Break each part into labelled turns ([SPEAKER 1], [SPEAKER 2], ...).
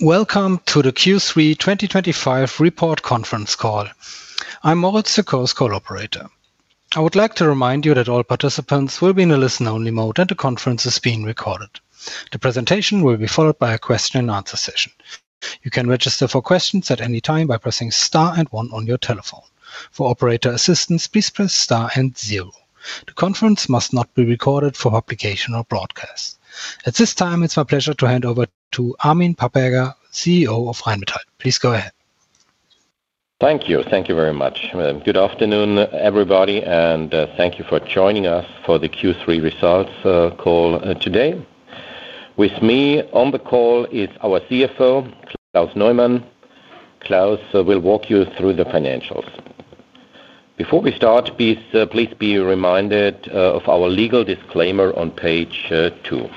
[SPEAKER 1] Welcome to the Q3 2025 report conference Call. I'm Moritz, the course cooperator. I would like to remind you that all participants will be in a listen only mode and the conference is being recorded. The presentation will be followed by a question and answer session. You can register for questions at any time by pressing star and 1 on your telephone. For operator assistance, please press and 0. The conference must not be recorded for publication or broadcast at this time. It's my pleasure to hand over to Armin Papperger, CEO of Rheinmetall. Please go ahead.
[SPEAKER 2] Thank you. Thank you very much. Good afternoon everybody and thank you for joining us for the Q3 results call today. With me on the call is our CFO Klaus Neumann. Klaus will walk you through the financials. Before we start, please be reminded of our legal disclaimer on page two.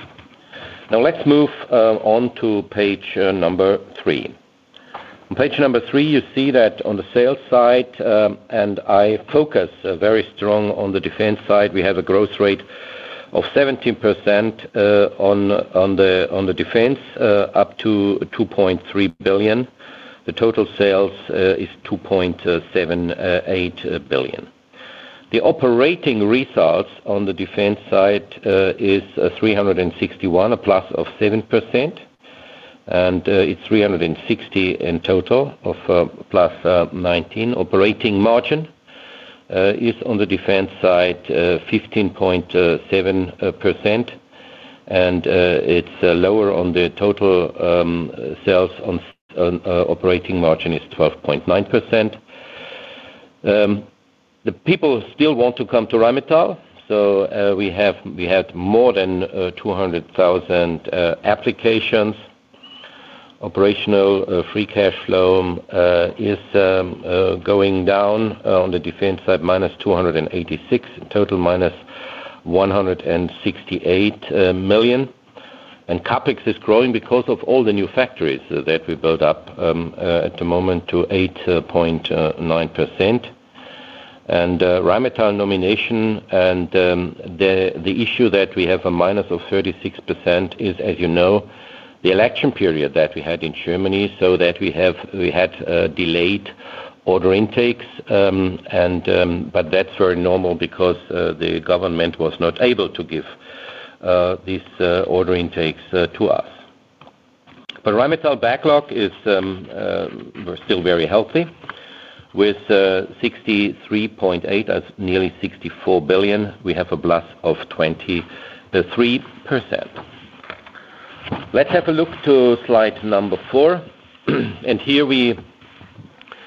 [SPEAKER 2] Now let's move on to page number three. On page number three you see that on the sales side and I focus very strong on the defense side we have a growth rate of 17% on the defense up to 2.3 billion. The total sales is 2.78 billion. The operating results on the defense side is 361 million. A plus of 7% and it's 360 million in total of plus 19%. Operating margin is on the defense side 15.7% and it's lower on the total sales. Operating margin is 12.9%. The people still want to come to Rheinmetall. So we had more than 200,000 applications operational free. Cash flow is going down on the defence side minus 286 total minus 168 million. And capex is growing because of all the new factories that we build up at the moment to 8.9% and Rheinmetall nomination. And the issue that we have a minus of 36% is as you know the election period that we had in Germany so that we have. We had delayed order intakes but that's very normal because the government was not able to give these order intakes to us. But Rheinmetall backlog is still very healthy with 63.8 nearly 64 billion. We have a plus of. Of 23%. Let's have a look to slide number four. And here we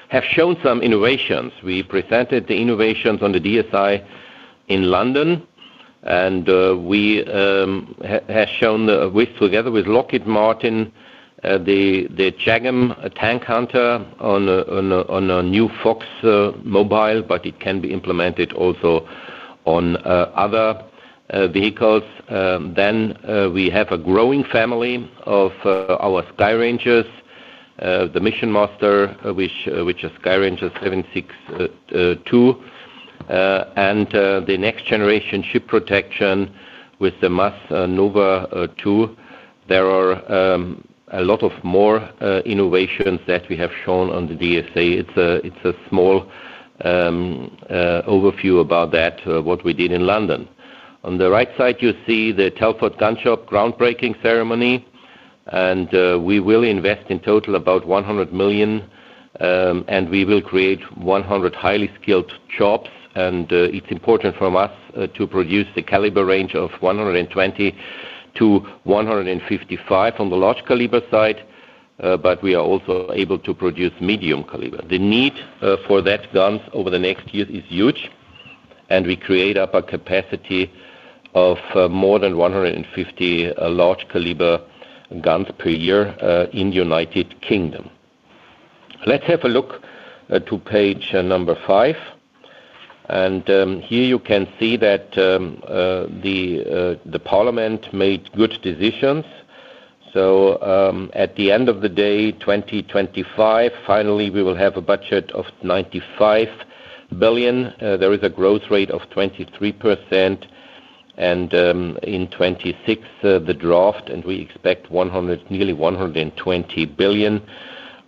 [SPEAKER 2] have shown some innovations. We presented the innovations on the DSEI in London and we have shown together with Lockheed Martin the Challenger Tank Hunter on a new Fuchshs Mobile. But it can be implemented also on other vehicles. Then we have a growing family of our SkyRanger, the Mission Master which is SkyRanger762 and the next generation ship protection with the MAS Nova 2, there are a lot of more innovations that we have shown on the DSEI. It's a small overview about that, what we did in London. On the right side you see the Telford Gun Shop groundbreaking ceremony. And we will invest in total about 100 million. And we will create 100 highly skilled jobs. And it's important for us to produce the caliber range of 120-155 on the large calibre side. But we are also able to produce medium caliber. The need for that gun over the next year is huge. We create up a capacity of more than 150 large caliber guns per year in the United Kingdom. Let's have a look to page number five. Here you can see that. The. Parliament made good decisions. So at the end of the day 2025, finally we will have a budget of 95 billion. There is a growth rate of 23%. And in 26 the draft and we expect nearly 120 billion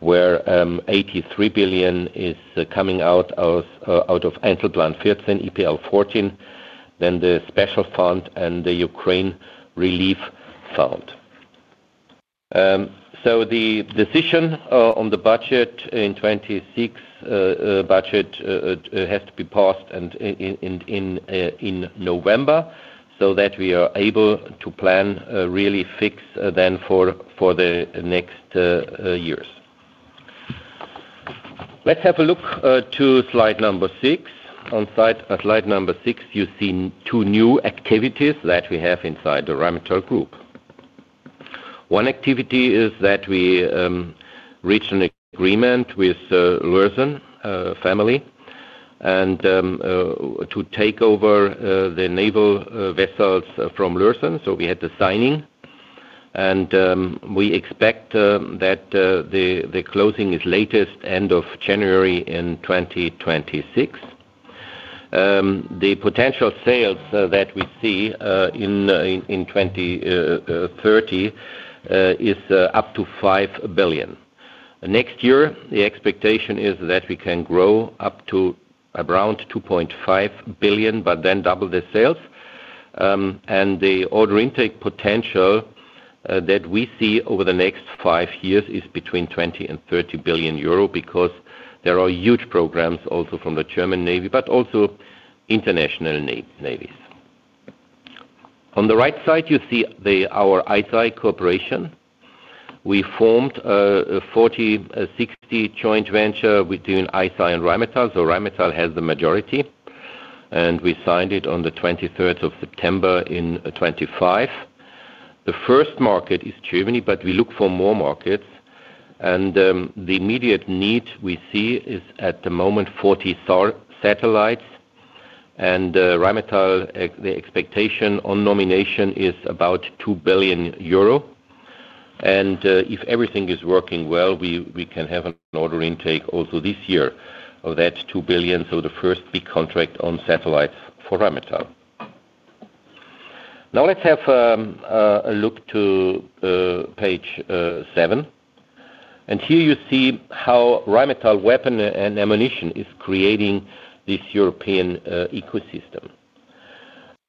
[SPEAKER 2] where 83 billion is coming out of Entel Blandfordsen EPL 14 than the special Fund and the Ukraine Relief Fund. So the decision on the budget in 26 budget has to be passed in November so that we are able to plan really fix then for the next years. Let's have a look to slide number six. On slide number six you see two new activities that we have inside the Rheinmetall Group. One activity is that we reached an agreement with Luzern family to take over the naval vessels from Lürssen. So we had the signing and we expect that the closing is latest end of January in 2026. The potential sales that we see in 2030 is up to 5 billion. Next year the expectation is that we can grow up to around 2.5 billion, but then double the sales. And the order intake potential that we see over the next five years is between 20 and 30 billion euro. Because there are huge programs also from the German navy, but also international navies. On the right side you see our Isar Aerospace. We formed a 40:60 joint venture between Isar and Rheinmetall. So Rheinmetall has the majority and we signed it on 23 September. In 25, the first market is Germany. But we look for more markets and the immediate need we see is at the moment 40 satellites and Rheinmetall. The expectation on nomination is about 2 billion Euro. And if everything is working well, we can have an order intake also this year of that 2 billion. So the first big contract on satellites for Rheinmetall. Now let's have a look to page seven. And here you see how Rheinmetall weapon and ammunition is creating this European ecosystem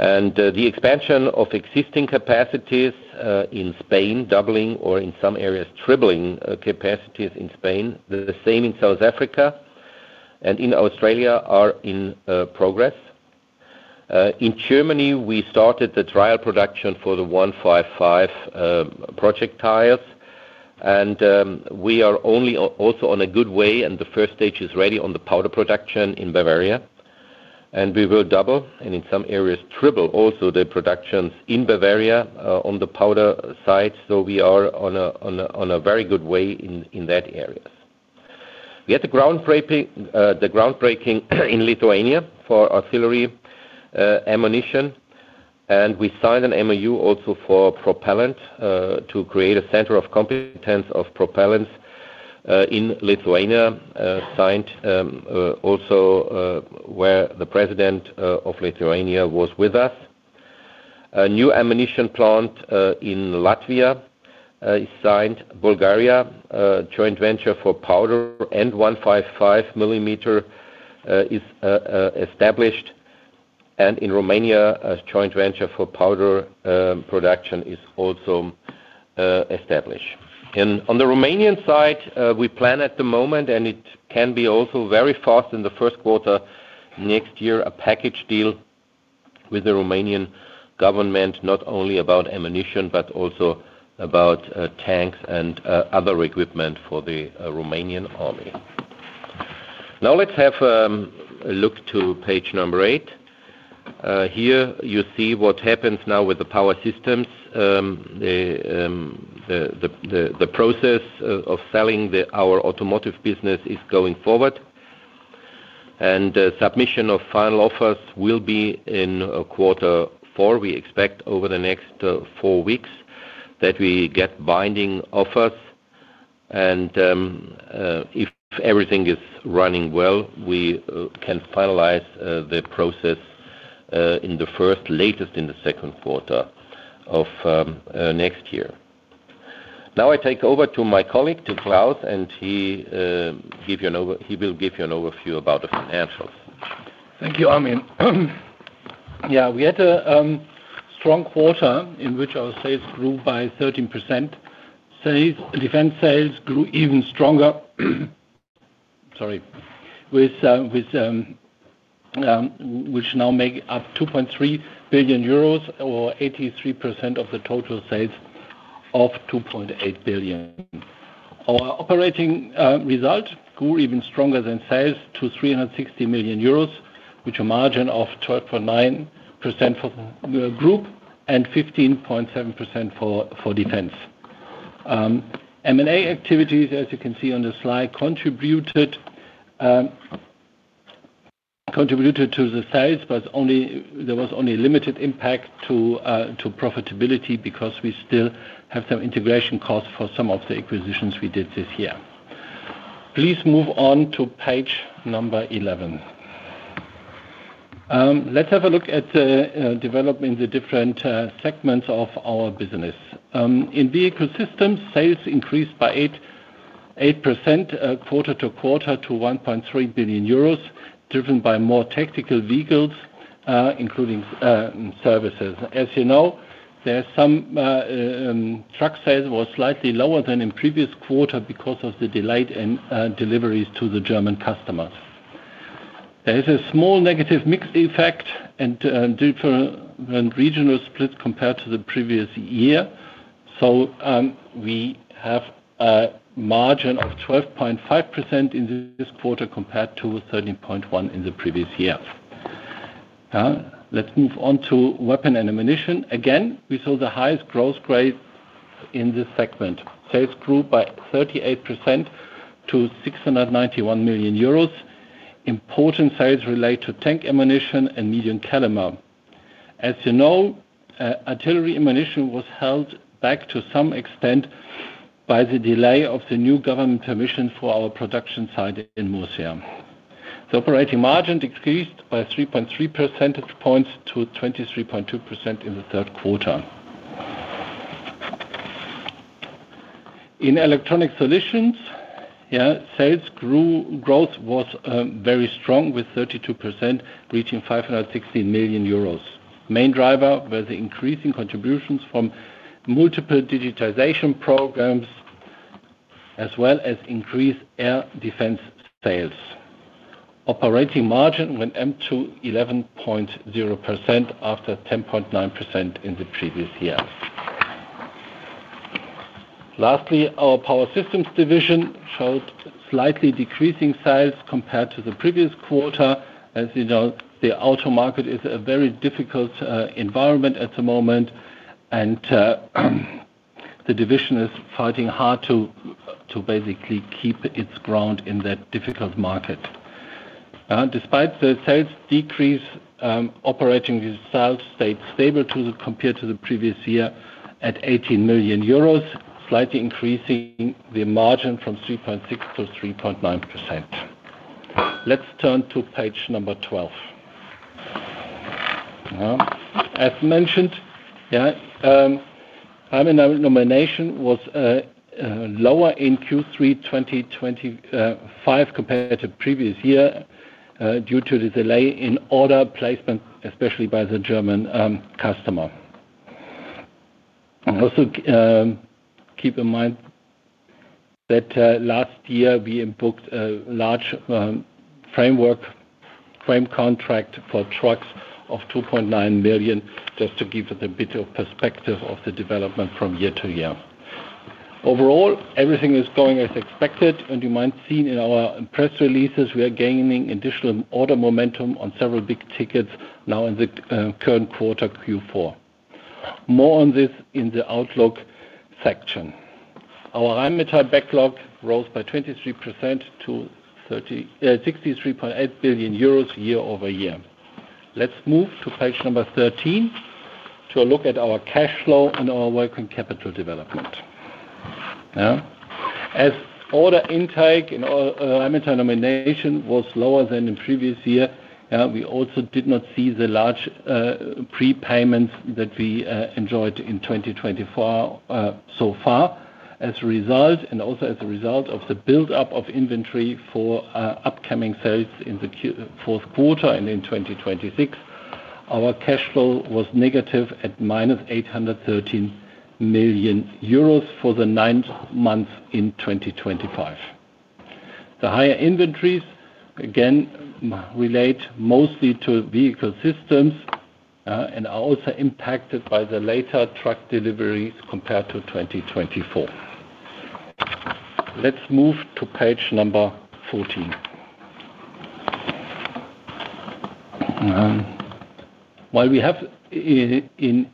[SPEAKER 2] and the expansion of existing capacities in Spain, doubling or in some areas tripling capacities in Spain. The same in South Africa and in Australia are in progress. In Germany we started the trial production for the 155 projectiles. And we are only also on a good way. And the first stage is ready on the powder production in Bavaria. And we will double and in some areas triple also the productions in Bavaria on the powder side. So we are on a very good way in that area. We had the groundbreaking in Lithuania for artillery ammunition. We signed an MoU also for propellant, to create a center of competence of propellants in Lithuania. Signed also where the president of Lithuania was with us. A new ammunition plant in Latvia is signed. Bulgaria, joint venture for powder and 155 millimeter is established. In Romania a joint venture for powder production is also establish. On the Romanian side we plan at the moment, and it can be also very fast in the first quarter next year a package deal with the Romanian government not only about ammunition, but also about tanks and other equipment for the Romanian army. Now let's have a look to page number eight. Here you see what happens now with the power systems. The process of selling our automotive business is going forward and submission of final offers will be in quarter four. We expect over the next four weeks that we get binding offers and if everything is running well, we can finalize the process in the first latest in the second quarter of next year. Now I take over to my colleague Du Klaus, and he will give you an overview about the financials.
[SPEAKER 3] Thank you, Armin. Yeah, we had a strong quarter in which our sales grew by 13%. Defence sales grew even stronger. Sorry. Which now make up 2.3 billion euros, or 83% of the total sales of 2.8 billion. Our operating result grew even stronger than sales to 360 million euros, which a margin of 12.9% for the group and 15.7% for defence. MA activities, as you can see on the slide, contributed to the size, but only there was only a limited impact to profitability, because we still had have some integration costs for some of the acquisitions we did this year. Please move on to page number 11. Let's have a look at developing the different segments of our business. In vehicle system sales increased by 8% quarter to quarter to 1.3 billion euros, driven by more tactical vehicles, including services. As you know, there's some truck Sales was slightly lower than in previous quarter because of the delayed deliveries to the German customers. There is a small negative mix effect and different regional splits compared to the previous year. So we have a margin of 12.5% in this quarter compared to 13.1 in the previous year. Now let's move on to weapon and ammunition. Again we saw the highest growth rate in this segment. Sales grew by 38% to 691 million euros. Important sales relate to tank ammunition and medium caliber. As you know, artillery ammunition was held back to some extent by the delay of the new government permission. For our production site in Murcia, the operating margin decreased by 3.3 percentage points to 23.2% in the third quarter. In electronic solutions, sales growth was very strong with 32% reaching 516 million euros. Main driver was increasing contributions from multiple digitization programs as well as increased air defense sales. Operating margin went up to 11.0% after 10.9% in the previous year. Lastly, our power systems division showed slightly decreasing size compared to the previous quarter. As you know, the auto market is a very difficult environment at the moment and the division is fighting hard to basically keep its ground in that difficult market. Despite the sales decrease, operating result stayed stable compared to the previous year at 18 million euros, slightly increasing the margin from 3.6 to 3.9%. Let's turn to page number 12. As mentioned, hymen nomination was lower in Q3 2025 compared to previous year due to the delay in order placement, especially by the German customer. Also keep in mind that last year we booked a large framework frame contract for trucks of 2.9 million. Just to give a bit of perspective of the development from year-to year. Overall everything is going as expected and you might see in our press releases, we are gaining additional order momentum on several big tickets now in the current quarter. Q4 More on this in the Outlook section. Our ametype backlog rose by 23% to 63.8 billion euros year-over-year. Let's move to page number 13 to look at our cash flow and our working capital development as order intake in Amita nomination was lower than the previous year. We also did not see the large prepayments that we enjoyed in 2024 so far as a result and also as a result of the buildup of inventory for upcoming sales in the fourth quarter and in 2026, our cash flow was negative at minus 813 million euros for the ninth month in 2025, the higher inventories again relate mostly to vehicle systems and are also impacted by the later truck deliveries compared to 2024. Let's move to page number 14. While we have a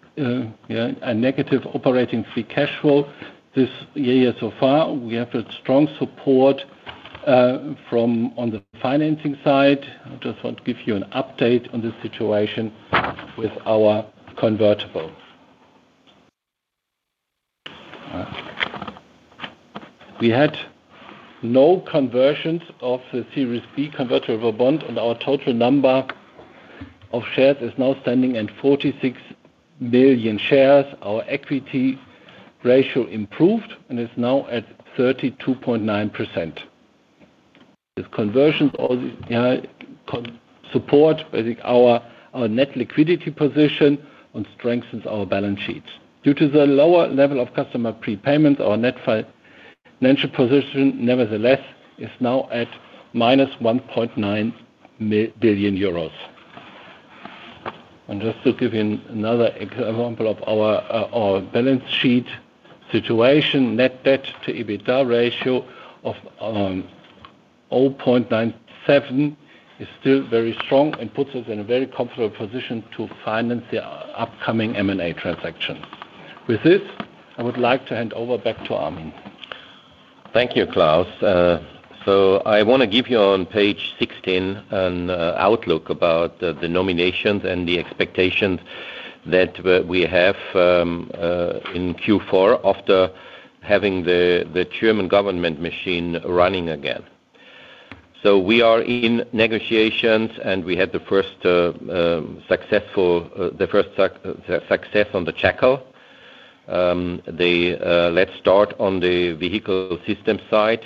[SPEAKER 3] negative operating free cash flow this year so far we have a strong support on the financing side. I just want to give you an update on this situation with our convertible. We had no conversions of the Series B convertible bond and our total number of shares is now standing at 46 million shares. Our equity ratio improved and is now at 32.9%. This conversion support our net liquidity position on strengthens our balance sheets due to the lower level of customer prepayments. Our net financial position nevertheless is now at minus 1.9 billion euros. And just to give you another example of our balance sheet situation, Net debt to ebitda ratio of 0.97 is still very strong and puts us in a very comfortable position to finance the upcoming MA transaction. With this I would like to hand over back to Armin.
[SPEAKER 2] Thank you, Klaus. So I want to give you on page 16 an outlook about the nominations and the expectations that we have in Q4 after having the German government machine running again. So we are in negotiations and we had the first successful, the first success on the Jackal. Let's start on the vehicle system side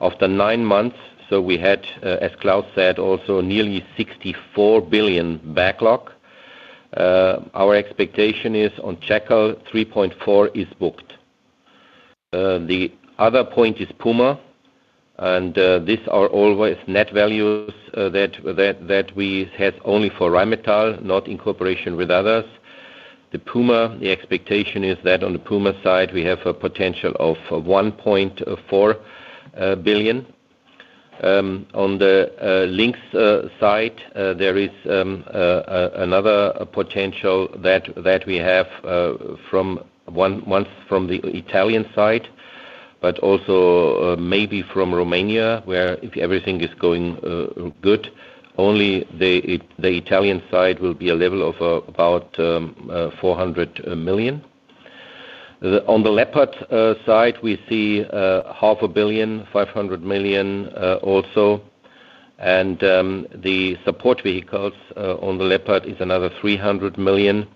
[SPEAKER 2] after nine months. So we had, as Klaus said, also nearly 64 billion backlog. Our expectation is on Jackal. 3.4 is booked. The other point is Puma. And these are always net values that we have only for Rheinmetall, not in cooperation with others, the puma. The expectation is that on the PUMA side we have a potential of 1.4 billion. On the Lynx side there is another potential that that we have one from the Italian side, but also maybe from Romania, where if everything is going good, only the Italian side will be a level of about 400 million. On the Leopard side we see half a billion, 500 million also and the support vehicles. On the Leopard is another 300 million.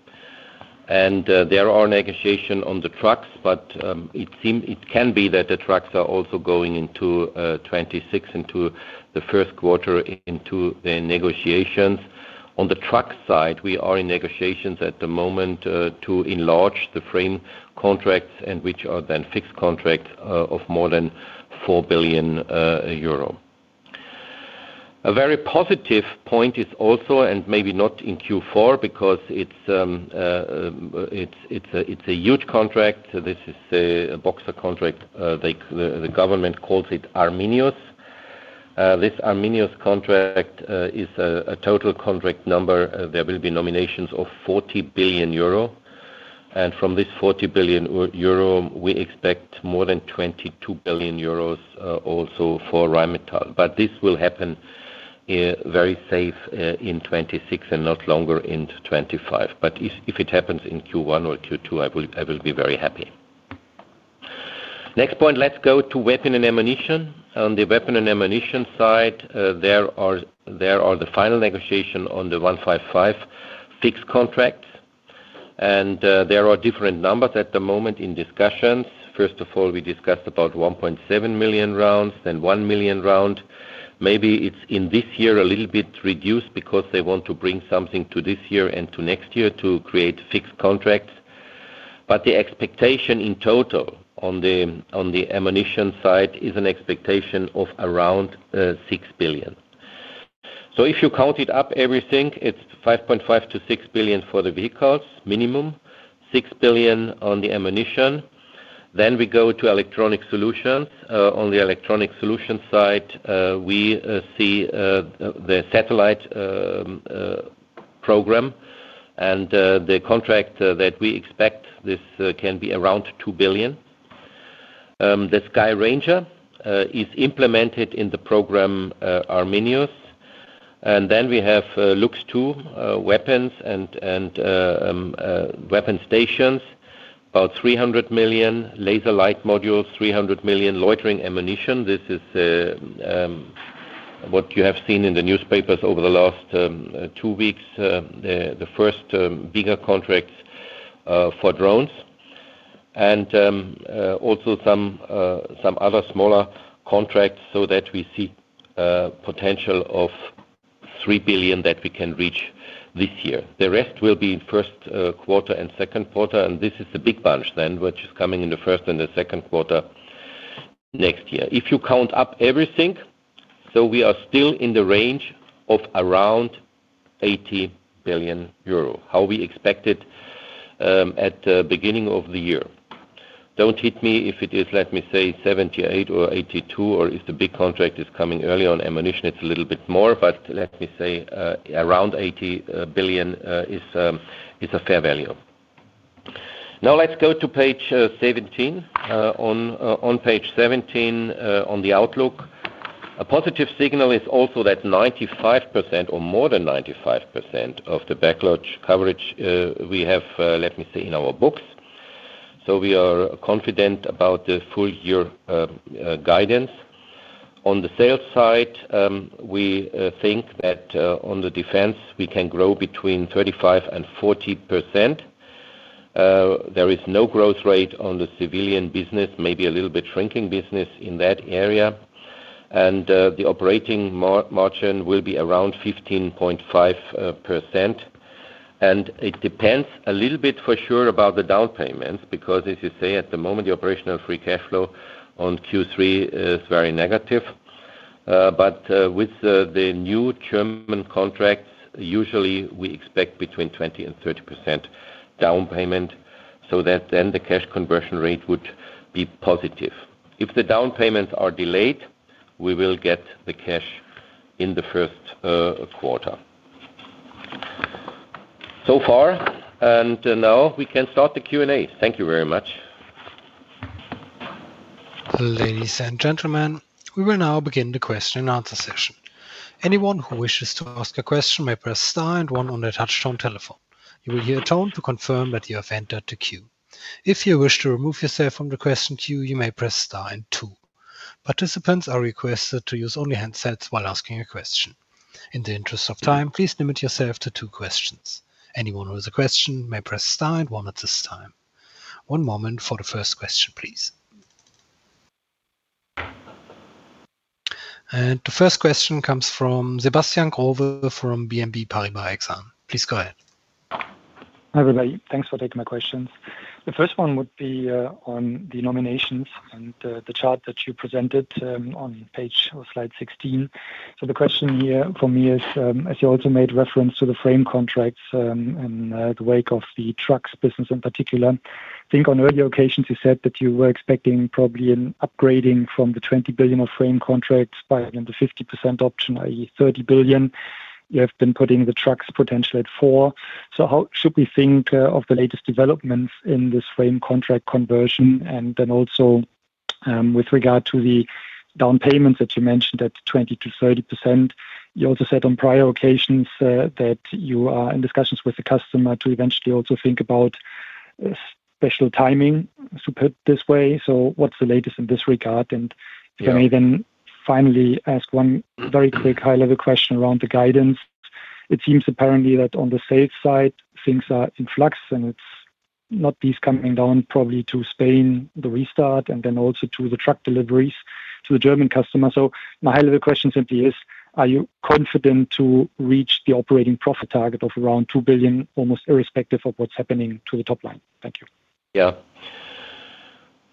[SPEAKER 2] And there are negotiation on the trucks. But it seems it can be that the trucks are also going into 26 into the first quarter into their negotiations. On the truck side we are in negotiations at the moment to enlarge the frame contracts and which are then fixed contracts of more than 4 billion euros. A very positive point is also, and maybe not in Q4 because it's a huge contract. This is a Boxer contract. The government calls it Arminius. This Arminius contract is a total contract number. There will be nominations of 40 billion euro. And from this 40 billion euro we expect more than 22 billion euros. Also for Rheinmetall. But this will happen very safe in 26 and not longer in 25. But if it happens in Q1 or Q2, I will be very happy. Next point, let's go to weapon and ammunition. On the weapon and ammunition side, there are the final negotiations on the 155 fixed contract. And there are different numbers at the moment in discussions. First of all we discussed about 1.7 million rounds. Then 1 million round, maybe it's in this year a little bit reduced because they want to bring something to this year and to next year to create fixed contracts. But the expectation in total on the ammunition side is an expectation of around 6 billion. So if you count it up everything, it's 5.5 to 6 billion for the vehicles, minimum 6 billion on the ammunition. Then we go to electronic solutions. On the electronic solutions side we see the satellite program and the contract that we expect this can be around 2 billion. The Sky Ranger is implemented in the program Arminius. And then we have Lynx weapons and weapon stations, about 300 million laser light modules, 300 million loitering ammunition. This is what you have seen in the newspapers over the last two weeks. The first bigger contracts for drones and also some other smaller contracts so that we see potential of 3 billion that we can reach this year. The rest will be in first quarter and second quarter. And this is the big bunch then, which is coming in the first and the second quarter next year, if you count up everything. So we are still in the range of around 80 billion euro. How we expected at beginning of the year. Don't hit me. If it is, let me say 78 or 82 or if the big contract is coming early on ammunition, it's a little bit more, but let me say around 80 billion is a fair value. Now let's go to page 17. On page 17 on the outlook, a positive signal is also that 95% or more than 95% of the backlog coverage we have, let me say in our books, so we are confident about the full year guidance. On the sales side, we think that on the defence we can grow between 35 and 40%. There is no growth rate on the civilian business, maybe a little bit shrinking business in that area. And the operating margin will be around 15.5%. And it depends a little bit for sure about the down payments. But because as you say, at the moment the operational free cash flow on Q3 is very negative. But with the new German contracts, usually we expect between 20 and 30% down payment. So that then the cash Conversion rate would be positive. If the down payments are delayed, we will get the cash in the first quarter so far. And now we can start the Q and A. Thank you very much.
[SPEAKER 1] Ladies and gentlemen. We will now begin the question and answer session. Anyone who wishes to ask a question may press star and 1. On the touchtone telephone you will hear a tone to confirm that you have entered the queue. If you wish to remove yourself from the question queue, you may press star and 2. Participants are requested to use only handsets while asking a question. In the interest of time, please limit yourself to two questions. Anyone who has a question may press start one at this time. One moment for the first question please. And the first question comes from Sebastian Groverrr from BNP Paribas Exane. Please go ahead.
[SPEAKER 4] Hi everybody. Thanks for taking my questions. The first one would be on the nominations and the chart that you presented on page slide 16. So the question here for me is as you also made reference to the frame contracts in the wake of the trucks business in particular, I think on earlier occasions you said that you were expecting probably an upgrading from the 20 billion of frame contracts by the 50% option, that is 30 billion. You have been putting the trucks potential at 4. So how should we think of the latest developments in this frame contract conversion? And then also with regard to the down payments that you mentioned at 20 to 30%, you also said on prior occasions that you are in discussions with the customer to eventually also think about special timing to put this way. So what's the latest in this regard? And can I then finally ask one very quick high level question around the guidance? It seems apparently that on the safe side things are in flux and it's not these coming down probably to Spain, the restart and then also to the truck deliveries to the German customer. So my high level question simply is, are you confident to reach the operating profit target of around 2 billion almost irrespective of what's happening to the top line? Thank you.
[SPEAKER 2] Yeah.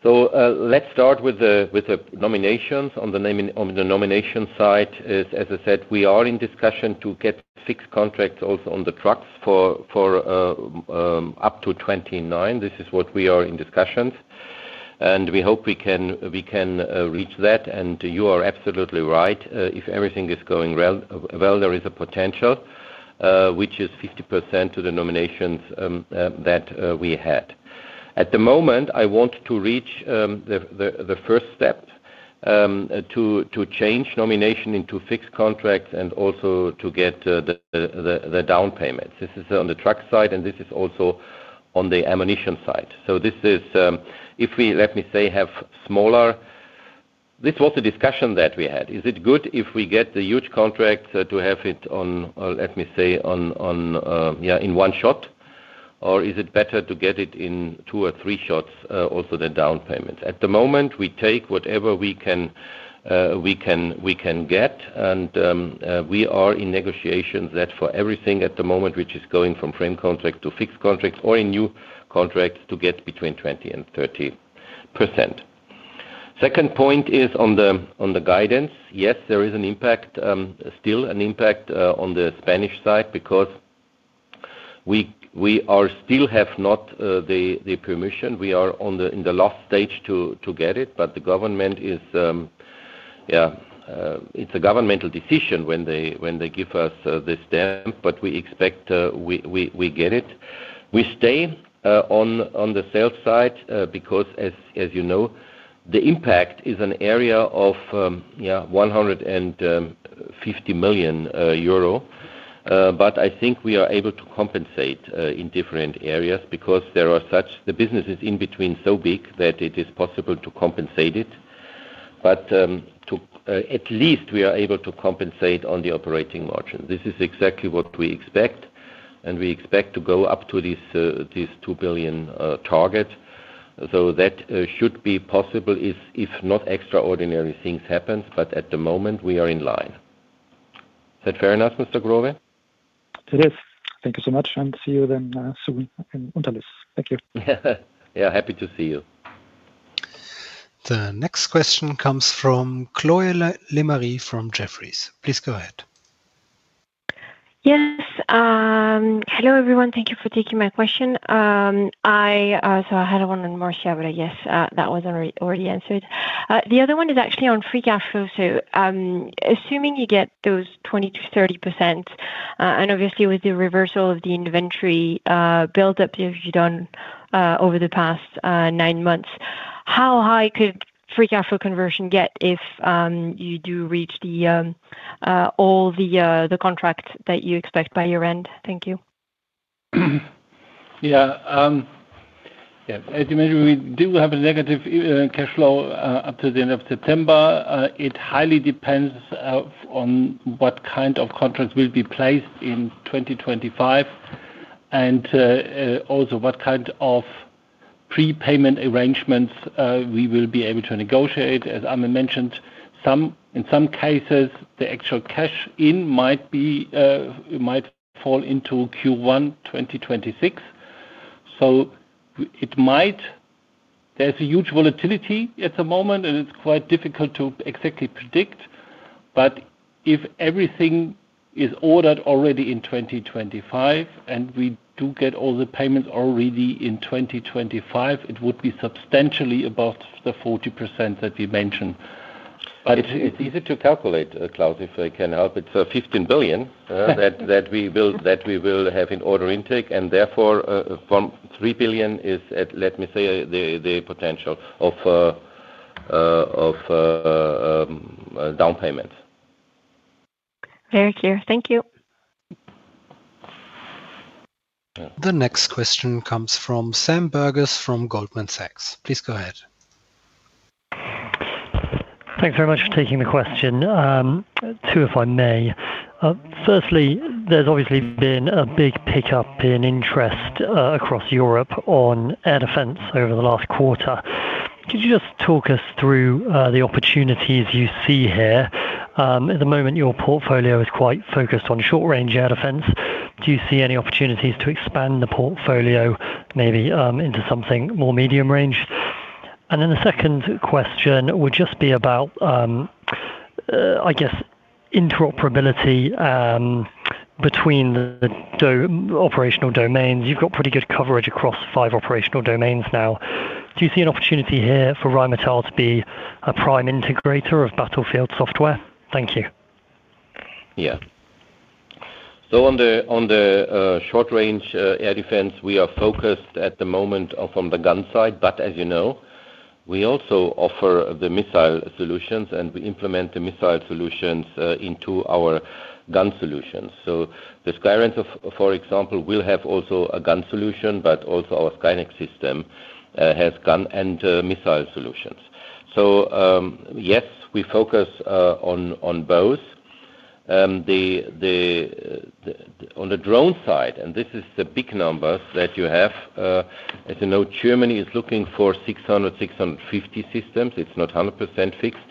[SPEAKER 2] So let's start with the nominations on the nomination side. As I said, we are in discussion to get fixed contracts also on the trucks for up to 29. This is what we are in discussion and we hope we can reach that. And you are absolutely right. If everything is going well, there is a potential which is 50% to the nominations that we had at the moment. I want to reach the first step to change nomination into fixed contracts and also to get the down payments. This is on the truck side and this is also on the ammunition side. So this is if we let me say have smaller. This was a discussion that we had. Is it good if we get the huge contract to have it on, let me say in one shot, or is it better to get it in two or three shots? Also the down payments at the moment we take whatever we can get and we are in negotiations that for everything at the moment, which is going from frame contract to fixed contracts or in new contracts to get between 20 and 30%. Second point is on the. On the guidance. Yes, there is an impact, still an impact on the Spanish side, because we are still have not the permission. We are in the last stage to get it. But the government is. It's a governmental decision when they give us this damp. But we expect we get it. We stay on the sales side, because as you know, the impact is an area of 150 million euro. But I think we are able to compensate in different areas because there are such the businesses in between so big that it is possible to compensate it. But to at least we are able to compensate on the operating margin. This is exactly what we expect. And we expect to go up to this 2 billion target. So that should be possible. If not extraordinary things happen. But at the moment we are in line. Is that fair enough, Mr. Groverr?
[SPEAKER 5] It is. Thank you so much and see you then soon. Thank you.
[SPEAKER 2] Yeah, happy to see you.
[SPEAKER 1] The next question comes from Chloe Lemarie from Jefferies. Please go ahead.
[SPEAKER 6] Yes, hello everyone. Thank you for taking my question. So I had one on Marder, but yes, that was already answered. The other one is actually on free cash flow. So assuming you get those 20 to 30% and obviously with the reversal of the inventory buildup you've done over the. Past nine months, how high could free.
[SPEAKER 4] Cash flow conversion get if you do reach the all the contract that you expect by year end? Thank you.
[SPEAKER 3] Yeah, as you mentioned, we do have a negative cash flow up to the end of September. It highly depends on what kind of contracts will be placed in 2025 and also what kind of prepayment arrangements we will be able to negotiate. As Armin mentioned, in some cases the actual cash in might be might fall into Q1 2026. So it might. There's a huge volatility at the moment and it's quite difficult to exactly predict. But if everything is ordered already in 2025 and we do get all the payments already in 2025, it would be sUBStantially above the 40% that we mentioned.
[SPEAKER 2] But it's easy to calculate. Klaus, if I can help. It's 15 billion that we will have in order intake and therefore 3 billion is, let me say, the potential of down payment.
[SPEAKER 4] Very clear. Thank you.
[SPEAKER 1] The next question comes from Sam Burgess from Goldman Sachs. Please go ahead.
[SPEAKER 7] Thanks very much for taking the question. Two, if I may. Firstly, there's obviously been a big pickup in interest across Europe on air defence over the last quarter. Could you just talk us through the opportunities you see here? At the moment your portfolio is quite focused on short range air defense. Do you see any opportunities to expand the portfolio maybe into something more medium range? And then the second question would just be about, I guess, interoperability between the operational domains. You've got pretty good coverage across five operational domains now. Do you see an opportunity here for Rheinmetall to be prime integrator of battlefield software? Thank you.
[SPEAKER 2] Yeah. So on the short range air defense, we are focused at the moment from the gun side, but as you know, we also offer the missile solutions and we implement the missile solutions into our gun solutions. So the SkyRanger for example will have also a gun solution. But also our Skynex solar system has gun and missile solutions. So yes, we focus on both on the drone side. And this is the big numbers that you have. As you know, Germany is looking for 600, 650 systems. It's not 100% fixed,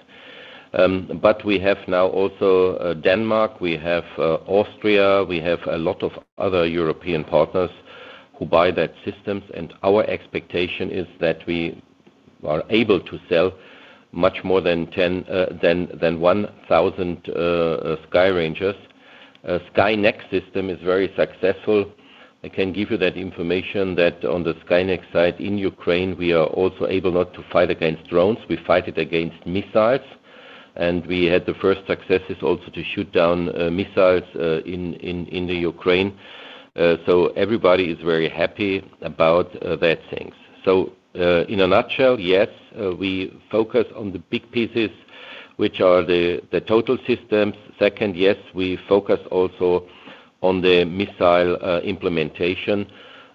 [SPEAKER 2] but we have now also Denmark, we have Austria, we have a lot of other, other European partners who buy that system. And our expectation is that we are able to sell much more than 10 than 1,000 SkyRanger. Skynex system is very successful. I can give you that information that on the Skynex side in Ukraine we are also able not to fight against drones, we fight it against missiles. And we had the first success of also to shoot down missiles in the Ukraine. So everybody is very happy about that things. So in a nutshell, yes, we focus on the big pieces which are the total systems. Second, yes, we focus also on the missile implementation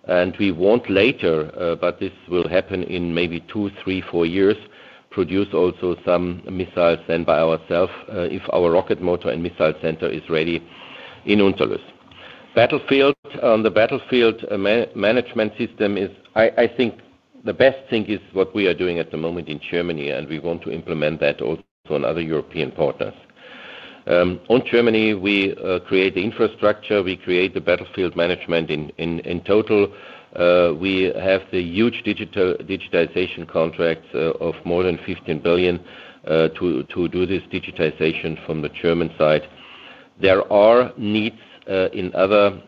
[SPEAKER 2] and we won't later, but this will happen in maybe two, three, four years. Produce also some missiles then by ourselves, if our rocket motor and missile center is ready in Unterlüß battlefield, on the battlefield management system is, I think the best thing is what we are doing at the moment in Germany and we want to implement that on other European partners. On Germany we create the infrastructure, we create the battlefield management. In total we have the huge digitization contract of more than 15 billion to do this digitization from the German side. There are needs in other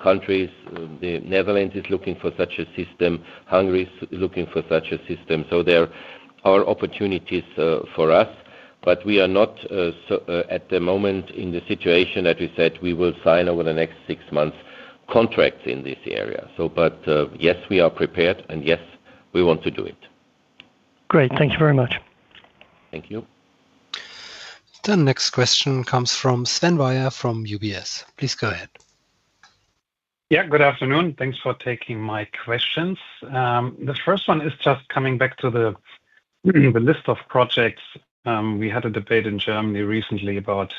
[SPEAKER 2] countries. The Netherlands is looking for such a system, Hungary looking for such a system. So there are opportunities for us, but we are not at the moment in the situation that we said we will sign over the next six months contracts in this area. So. But yes, we are prepared and yes, we want to do it.
[SPEAKER 7] Great. Thank you very much.
[SPEAKER 2] Thank you.
[SPEAKER 1] The next question comes from Sven Weyer from UBS. Please go ahead.
[SPEAKER 8] Yeah, good afternoon. Thanks for taking my questions. The first one is just coming back to the list of projects. We had a debate in Germany recently about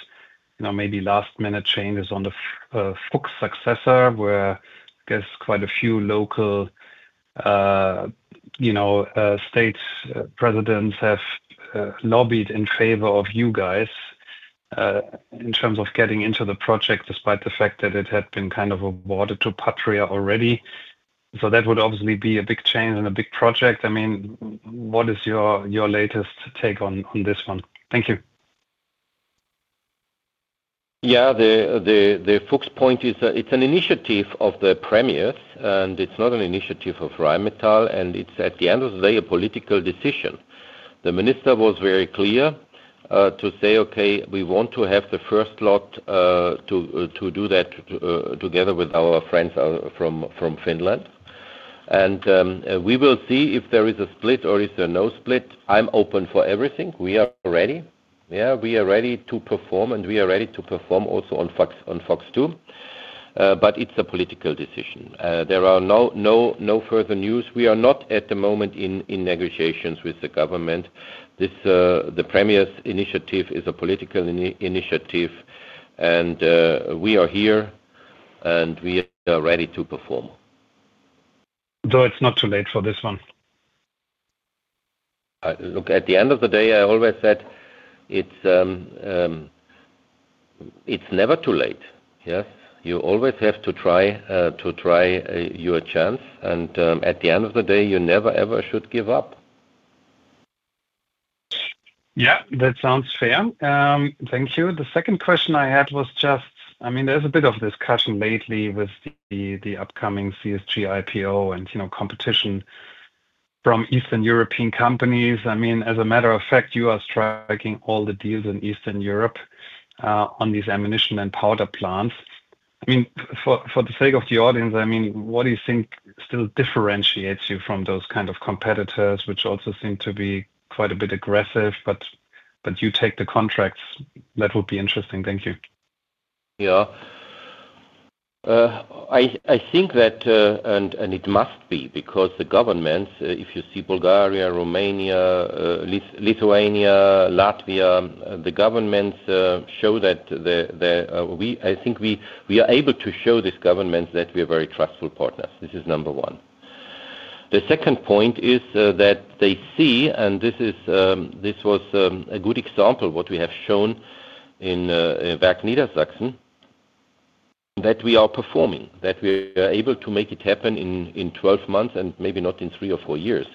[SPEAKER 8] maybe last minute changes on the Fuchs successor where there's quite a few local, you know, state presidents have lobbied in favor of you guys in terms of getting into the project, despite the fact that it had been kind of awarded to Patria already. So that would obviously be a big change and a big project. I mean, what is your latest take on this one? Thank you.
[SPEAKER 2] Yeah. The Fuchshs point is it's an initiative of the premiers and it's not an initiative of Rheinmetall and it's at the end of they a political decision. The minister was very clear to say, okay, we want to have the first lot to do that together with our friends from Finland and we will see if there is a split or is there no split? I'm open for everything. We are ready. We are ready to perform and we are ready to perform also on Fuchs 2. But it's a political decision. There are no further news. We are not at the moment in negotiations with the government. The premier's initiative is a political initiative and we are here and we are ready to perform.
[SPEAKER 8] Though it's not too late for this one.
[SPEAKER 2] Look, at the end of the day, I always said it's never too late. Yes. You always have to try to try your chance. And at the end of the day you never ever should give up.
[SPEAKER 8] Yeah, that sounds fair. Thank you. The second question I had was just, I mean, there's a bit of discussion lately with the upcoming CSG IPO and competition from Eastern European companies. I mean, as a matter of fact, you are striking all the deals in Eastern Europe on these ammunition and powder plants. I mean, for the sake of the audience, I mean, what do you think still differentiates you from those kind of competitors which also seem to be quite a bit aggressive? But you take the contracts. That would be interesting. Thank you.
[SPEAKER 2] Yeah, I think that. And it must be because the governments, if you see Bulgaria, Romania, Lisbon, Lithuania, Latvia, the governments show that. I think we are able to show these governments that we are very trustful partners. This is number one. The second point is that they see, and this was a good example, what we have shown In Wagner Sachsen that we are performing, that we are able to make it happen in 12 months and maybe not in three or four years.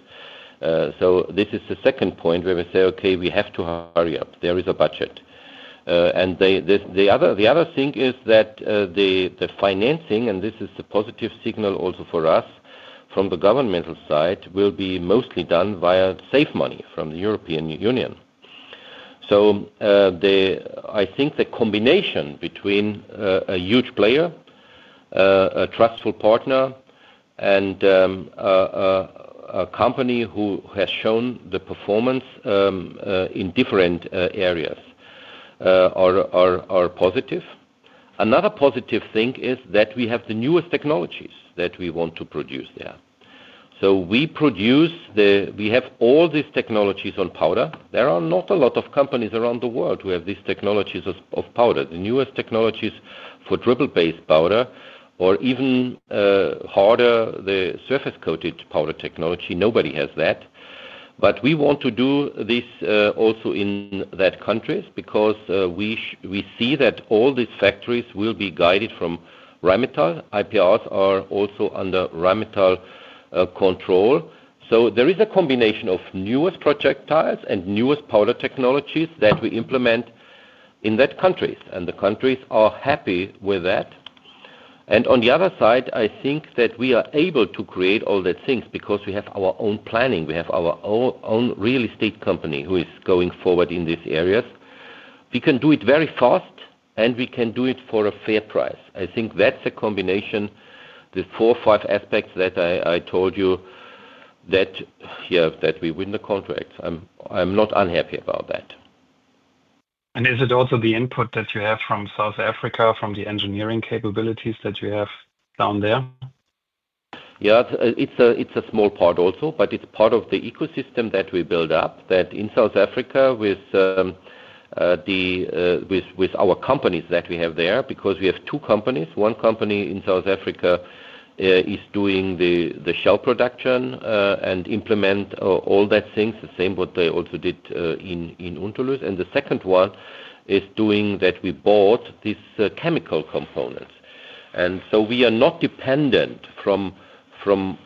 [SPEAKER 2] So this is the second point where we say, okay, we have to hurry up, there is a budget. And the other thing is that the financing and this is a positive signal also for us from the governmental side will be mostly done via safe money from the European Union. So I think the combination between a huge player, a trustful partner and a company who has shown the performance in different areas are positive. Another positive thing is that we have the newest technologies that we want to produce there. So we produce, we have all these technologies on powder. There are not a lot of companies around the world who have these technologies of powder. The newest technologies of for triple based powder or even harder, the surface coated powder technology, nobody has that. But we want to do this also in that countries because we see that all these factories will be guided from Rheinmetall. IPRs are also under Rheinmetall control. So there is a combination of newest projectiles and newest powder technologies that we implement in that countries and the countries are happy with that. And on the other side, I think that we are able to create all the things because we have our own planning, we have our own real estate company who is going forward in these areas. We can do it very fast and we can do it for a fair price. I think that's a combination. The four or five aspects that I told you that here that we win the contract. I'm not unhappy about that.
[SPEAKER 8] And is it also the input that you have from South Africa from the engineering capabilities that you have down there?
[SPEAKER 2] Yeah, it's a small part also, but it's part of the ecosystem that we build up that in South Africa with the, with our companies that we have there, because we have two companies. One company in South Africa is doing the shell production and implement all that things the same what they also did in Unterlüß. And the second one is doing that we bought these chemical components and so we are not dependent from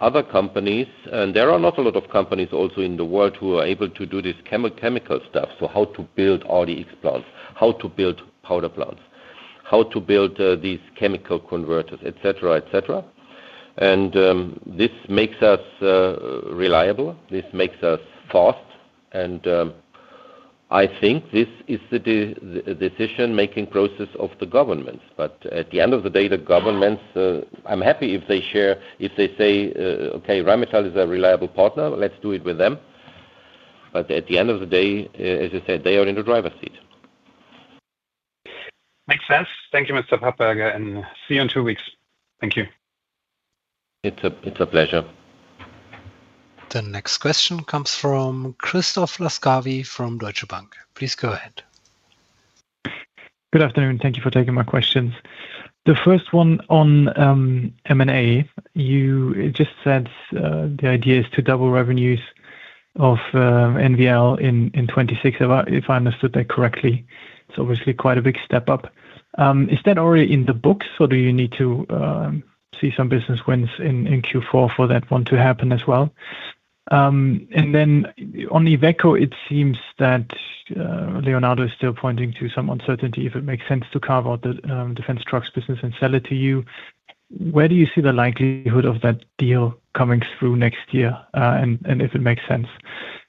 [SPEAKER 2] other companies and there are not a lot of companies also in the world who are able to do this chemical stuff. So how to build RDX plants, how to build powder plants, how to build these chemical converters, etc. Etc. And this makes us reliable, this makes us fast. And I think this is the decision making process of the governments. But at the end of the day, the governments, I'm happy if they share, if they say, okay, Rheinmetall is a reliable partner, let's do it with them. But at the end of the day, as I said, they are in the driver's seat.
[SPEAKER 8] Makes sense. Thank you, Mr. Papperger, and see you in two weeks. Thank you.
[SPEAKER 2] It's a pleasure.
[SPEAKER 1] The next question comes from Christoph Laskawi from Deutsche Bank. Please go ahead.
[SPEAKER 9] Good afternoon. Thank you for taking my questions. The first one on M and A, you just said the idea is to double revenues of NVL in 2016. If I understood that correctly. It's obviously quite a big step up. Is that already in the books or do you need to see some business wins in Q4 for that one to happen as well? And then on Iveco, it seems that Leonardo is still pointing to some uncertainty. If it makes sense to carve out the defence trucks business and sell it to you, where do you see the likelihood of that deal coming through next year and if it makes sense.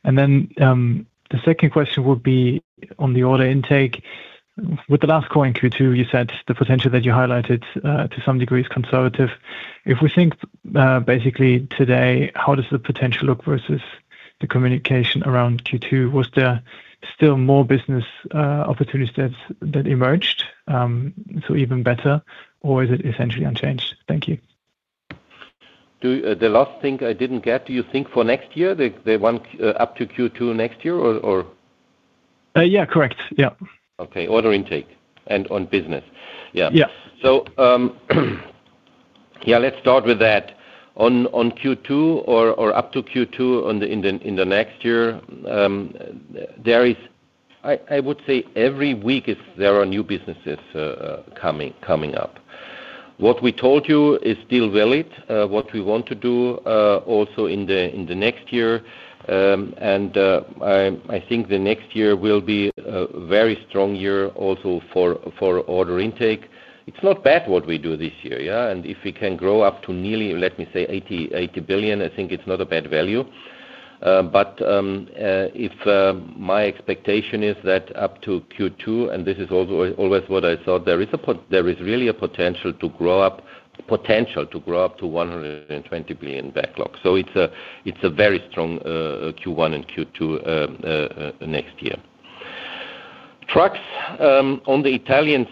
[SPEAKER 9] And then the second question would be on the order intake with the Last call in Q2, you said the potential that you highlighted to some degree is conservative. If we think basically today, how does the potential look versus the communication around Q2, was there still more business opportunity steps that emerged? So even better, or is it essentially unchanged? Thank you.
[SPEAKER 2] The last thing I didn't get, do you think for next year, the one up to Q2 next year or.
[SPEAKER 9] Yeah, correct.
[SPEAKER 2] Yeah. Okay. Order intake and on business. Yeah, yeah. So, yeah, let's start with that on Q2 or up to Q2 in the next year. There is, I would say every week is there are new businesses coming, coming up. What we told you is still valid. What we want to do also in the. In the next year. And I think the next year will be a very strong year also for. For order intake. It's not bad what we do this year. Yeah. And if we can grow up to nearly, let me say 80, 80 billion, I think it's not a bad value. But if my expectation is that up to Q2, and this is always what I thought, there is really a potential to grow up. Potential to grow up to 120 billion backlog. So it's a very strong Q1 and Q2 next year trucks on the Italian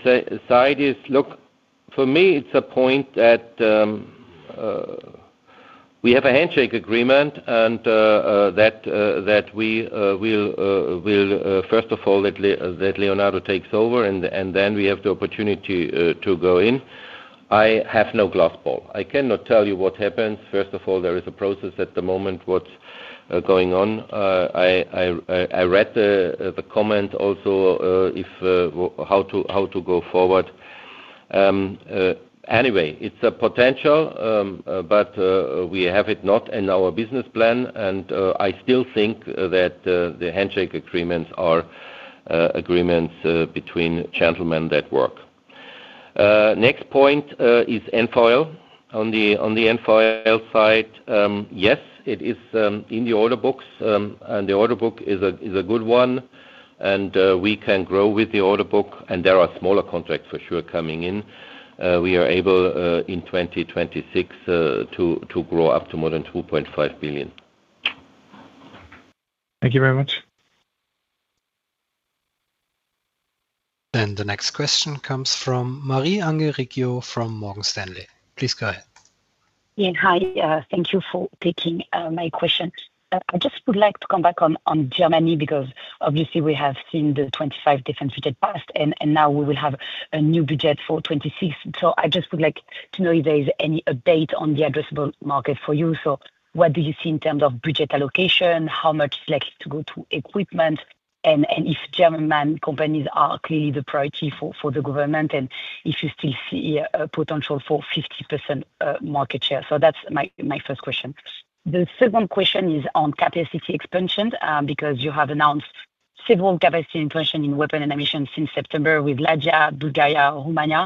[SPEAKER 2] side is look, for me, it's a point that we have a handshake agreement and that we will, first of all, that Leonardo takes over and then we have the opportunity to go in. I have no glass ball. I cannot tell you what happens. First of all, there is a process at the moment. What's going on. I read the comment also how to go forward. Anyway, it's a potential but we have it not in our business plan. And I still think that the handshake agreements are agreements between gentlemen that work. Next point is NFOL on the NFOL side. Yes, it is in the order books and the order book is a good one. And we can grow with the order book and there are smaller contracts for sure coming in. We are able in 2026 to grow up to more than 2.5 billion.
[SPEAKER 9] Thank you very much.
[SPEAKER 1] Then the next question comes from Marie Angelique from Morgan Stanley. Please go ahead.
[SPEAKER 10] Hi. Thank you for taking my question. I just would like to come back on Germany because obviously we have seen the 25 different budget passed and now we will have a new budget for 26. So I just would like to know if there is any update on the addressable market for you. So what do you see in terms of budget allocation, how much likely to go to equipment and if German companies are clearly the priority for the government and if you still see potential for 50% market share. So that's my first question. The second question is on capacity expansion because you have announced several capacity inflation in weapons and emissions since September with Laja, Bulgaria, Romania.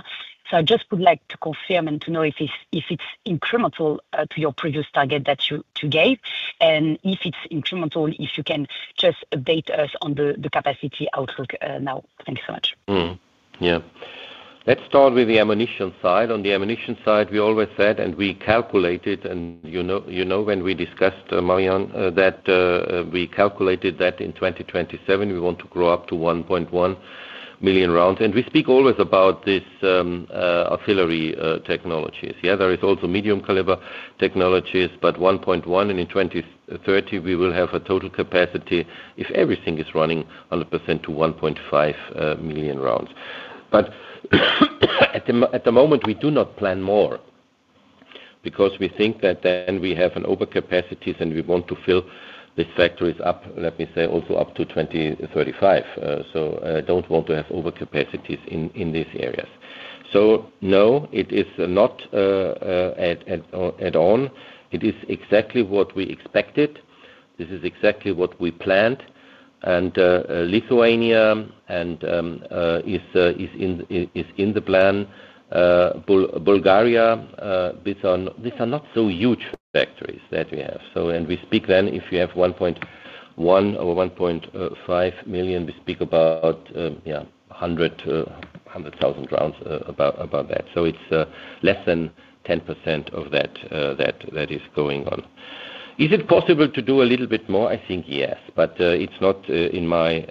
[SPEAKER 10] So I just would like to confirm and to know if it's incremental to your previous target that you gave and if it's incremental. If you can just update us on the capacity outlook now. Thanks so much.
[SPEAKER 2] Yeah. Let's start with the ammunition side. On the ammunition side, we always said, and we calculated, and you know, when we discussed, Marian, that we calculated that in 2027 we want to grow up to 1.1 million rounds. And we speak always about this artillery technologies. Yeah, there is also medium caliber technologies, but 1.1. And in 2030 we will have a total capacity, if everything is running 100% to 1.5 million rounds. But at the moment we do not plan more because we think that then we have an overcapacity and we want to fill these factories up, let me say also up to 2035. So I don't want to have overcapacities in these areas. So no, it is not at all. It is exactly what we expected. This is exactly what we planned. And Lithuania is. Is in the plan. Bulgaria, these are not so huge factories that we have. So and we speak then if you have 1.1 or 1.5 million, we speak. About. 100,000 rounds about that. So it's less than 10% of that is going on. Is it possible to do a little bit more? I think yes, but it's not in my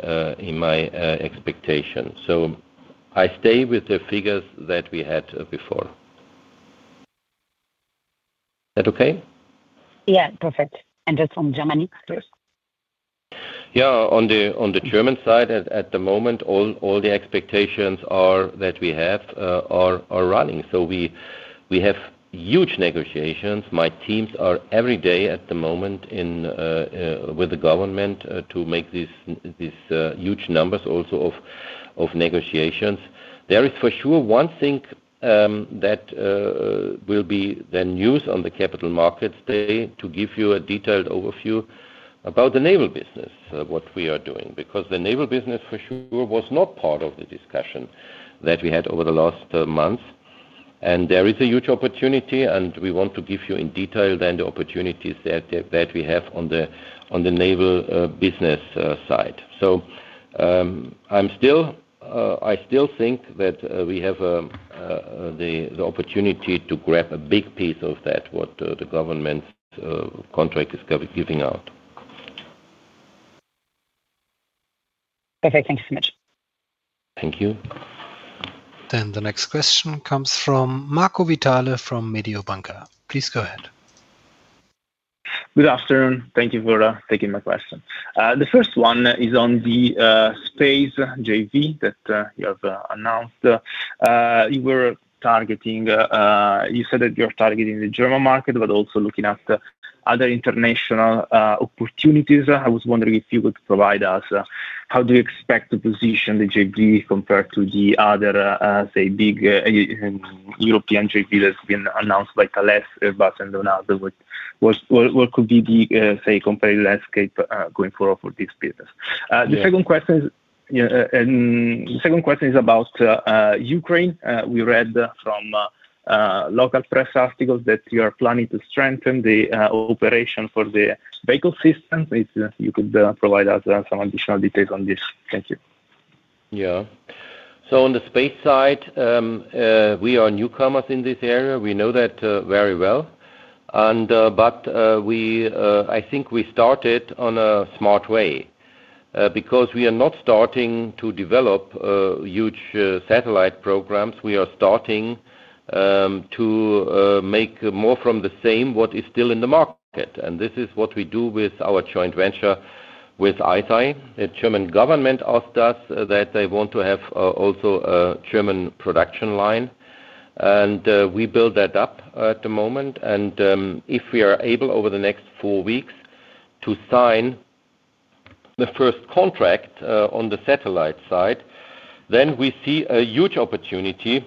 [SPEAKER 2] expectation. So I stay with the figures that we had before. That. Okay.
[SPEAKER 10] Yeah, perfect. And just from Germany.
[SPEAKER 2] Yeah. On the German side at the moment, all the expectations are that we have are running. So we have huge negotiations. My teams are every day at the moment in with the government to make this huge numbers also of negotiations. There is for sure one thing that will be the news on the capital markets day. To give you a detailed overview about the naval business, what we are doing. Because the naval business for sure was not part of the discussion that we had over the last month. And there is a huge opportunity and we want to go give you in detail then the opportunities that we have on the naval business side. So I still think that we have the opportunity to grab a big piece of that what the government's contract is giving out.
[SPEAKER 10] Okay, thank you so much.
[SPEAKER 2] Thank you.
[SPEAKER 1] Then the next question comes from Marco Vitale from Mediobanca. Please go ahead.
[SPEAKER 11] Good afternoon. Thank you for taking my question. The first one is on the space JV that you have announced you were targeting. You said that you're targeting the German market, but also looking at other international opportunities. I was wondering if you would provide us how do you expect to position the JV compared to the other, say, big European JP that's been announced by Thales, Airbus and what could be the.
[SPEAKER 2] Competitive landscape going forward for this business?
[SPEAKER 11] The second question is. The second question is about Ukraine. We read from local press articles that you are planning to strengthen the operation for the vehicle system. If you could provide us some additional details on this. Thank you.
[SPEAKER 2] Yeah. So on the space side, we are newcomers in this area. We know that very well. But I think we started on a smart way because we are not starting to develop huge satellite programs. We are starting to make more from the same what is still in the market. And this is what we do with our joint venture with Isar. The German government asked us that they want to have German production line and we build that up at the moment. And if we are able over the next four weeks to sign the first contract on the satellite side, then we see a huge opportunity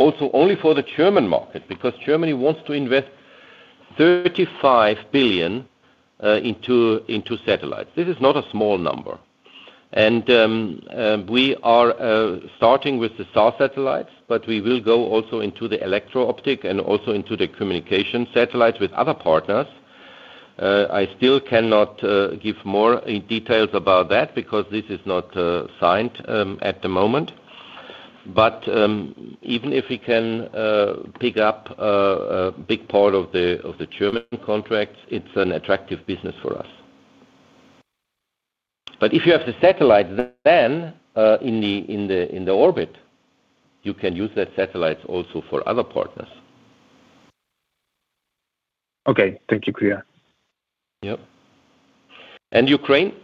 [SPEAKER 2] also only for the German market. Because Germany wants to invest 35 billion into satellites. This is not a small number. And we are starting with the SAR satellites, but we will go also into the electro optic and also into the communication satellites with other partners. I still cannot give more details about that because this is not signed at the moment. But even if we can pick up a big part of the German contract, it's an attractive business for us. But if you have the satellite then in the orbit you can use that satellite also for other partners.
[SPEAKER 12] Okay, thank you. Kriya.
[SPEAKER 2] Yep. And Ukraine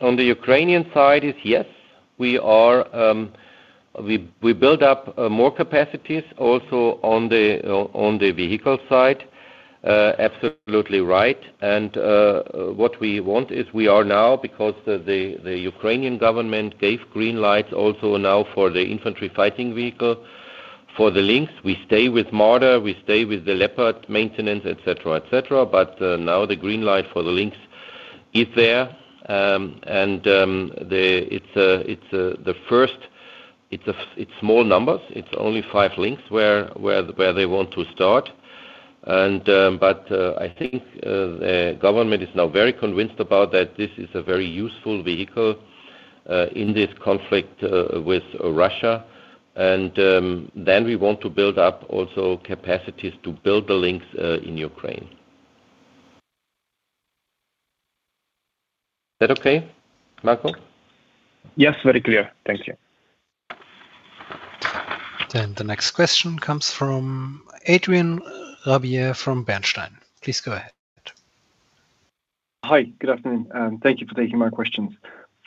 [SPEAKER 2] on the Ukrainian side is. Yes, we build up more capacities also on the vehicle side. Absolutely right. And what we want is we are now because the Ukrainian government gave green lights also now for the infantry fighting vehicle, for the Lynx, we stay with Marder, we stay with the Leopard, maintenance, etc. Etc. But now the green light for the Lynx is there and it's the first. It's small numbers, it's only five Lynx where they want to start. But I think the government is now very convinced about that. This is a very useful vehicle in this conflict with Russia. And then we want to build up also capacities to build the Lynx in Ukraine. Is that okay, Marco?
[SPEAKER 12] Yes, very clear. Thank you.
[SPEAKER 1] Then the next question comes from Adrian Rabier from Bernstein. Please go ahead.
[SPEAKER 13] Hi, good afternoon. Thank you for taking my questions.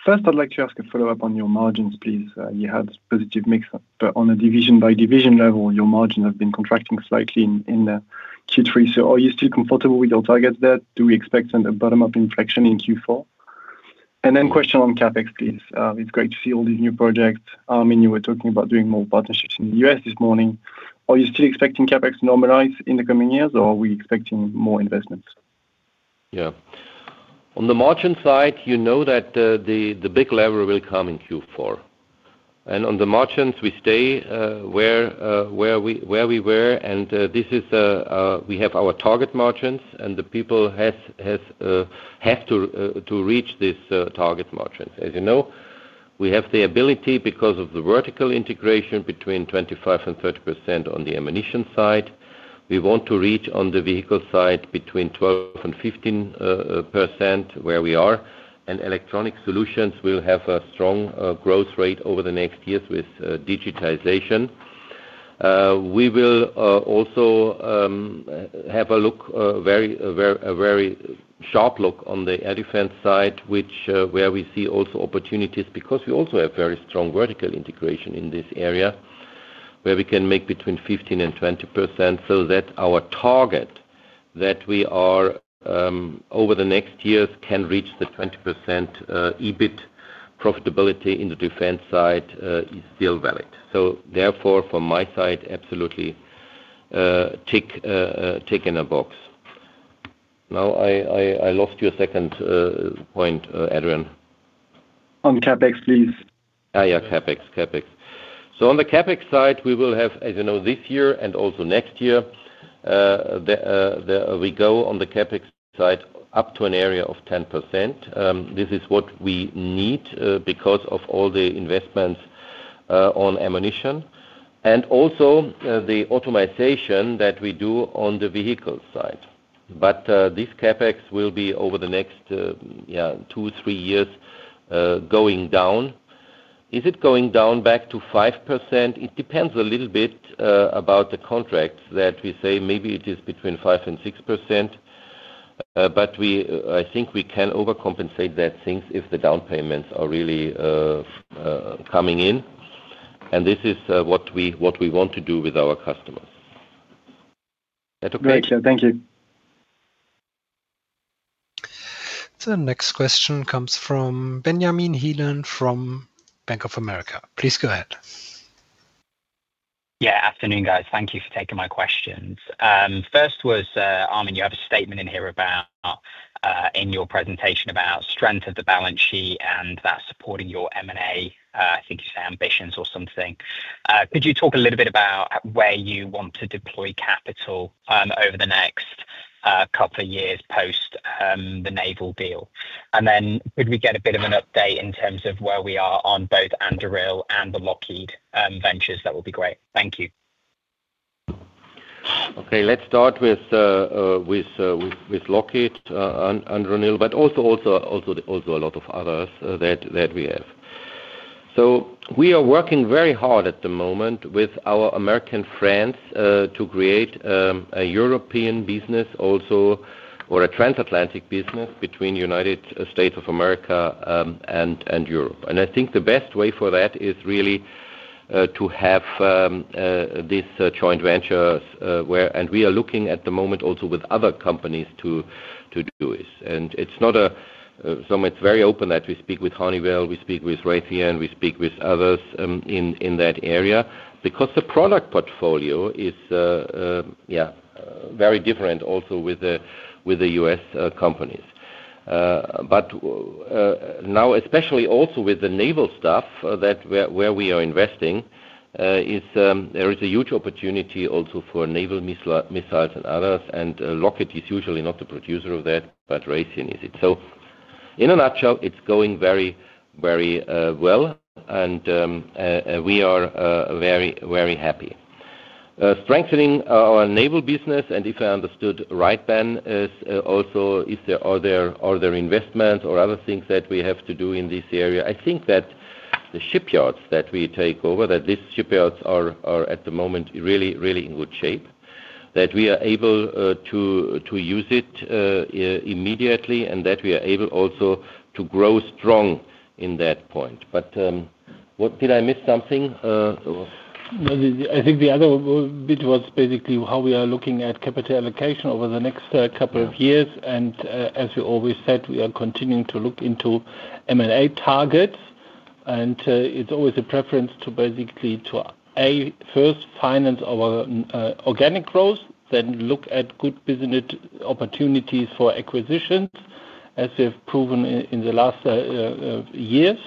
[SPEAKER 13] First I'd like to ask a follow up on your margins please. You had positive mix but on a division by division level your margins have been contracting slightly in Q3. So are you still comfortable with your targets there? Do we expect a bottom up inflection in Q4? And then question on Capex please. It's great to see all these new projects. You were talking about doing more partnerships in the US this morning. Are you still expecting CAPEX to normalize in the coming years or are expecting more investments?
[SPEAKER 2] Yeah, on the margin side you know that the big lever will come in Q4 and on the margins we stay where, where we, where we were and this is we have our target margins and the people has had to reach this target margins. As you know, we have the ability because of the vertical integration between 20, 25 and 30%. On the ammunition side we want to reach on the vehicle side between 12 and 15% where we are. And electronic solutions will have a strong growth rate over the next years with digitization. We will also have a look, a very sharp look on the air defence side which where we see also opportunities because we also have very strong vertical integration in this area where we can make between 15 and 20% so that our target that we are over the next years can reach the 20% EBIT. Profitability in the defense side is still valid. So therefore from my side, absolutely tick in a box. Now I lost your second point, Adrian.
[SPEAKER 13] On CapEx, please.
[SPEAKER 2] CapEx, CapEx. So on the Capex side we will have, as you know, this year and also next year we go on the Capex side up to an area of 10%. This is what we need because of all the investments on ammunition and also the optimization that we do on the vehicle side. But this capex will be over the next two, three years going down. Is it going down back to 5%? It depends a little bit about the contracts that we say maybe it is between 5 and 6%, but I think we can overcompensate that things if the down payments are really coming in. And this is what we want to do with our customers.
[SPEAKER 13] Thank you.
[SPEAKER 1] So next question comes from Benjamin Heelan from Bank of America. Please go ahead.
[SPEAKER 14] Yeah, afternoon guys. Thank you for taking my questions. First was Armin, you have a statement in here about in your presentation about strength of the balance sheet and that supporting your M and A. I think you say ambitions or something. Could you talk a little bit about where you want to deploy capital over the next couple of years post the naval deal? And then could we get a bit of an update in terms of where we are on both Anduril and the Lockheed ventures? That will be great. Thank you.
[SPEAKER 2] Okay, let's start with Lockheed and Rheinmetall, but also a lot of others that we have. So we are working very hard at the moment with our American friends to create a European business also or a transatlantic business between United States of America and Europe. I think the best way for that is really to have this joint venture. We are looking at the moment also with other companies to do it. It's not a summit very open that we see speak with Honeywell, we speak with Raytheon, we speak with others in that area because the product portfolio is very different also with the U.S. companies, but now especially also with the naval stuff where we are investing, there is a huge opportunity also for naval missiles and others. Lockheed is usually not the producer of that, but Raytheon is it. In a nutshell, it's going very, very well and we are very, very happy strengthening our naval business. If I understood right then also are there investments or other things that we have to do in this area? I think that the shipyards that we take over, that these shipyards are at the moment really, really in good shape, that we are able to use it immediately and that we are able also to grow strong in that point. Did I miss something?
[SPEAKER 3] I think the other bit was basically how we are looking at capital allocation over the next couple of years. And as we always said, we are continuing to look into MLA targets and it's always a preference to basically basically to A first finance our organic growth, then look at good business opportunities for acquisitions as we have proven in the last years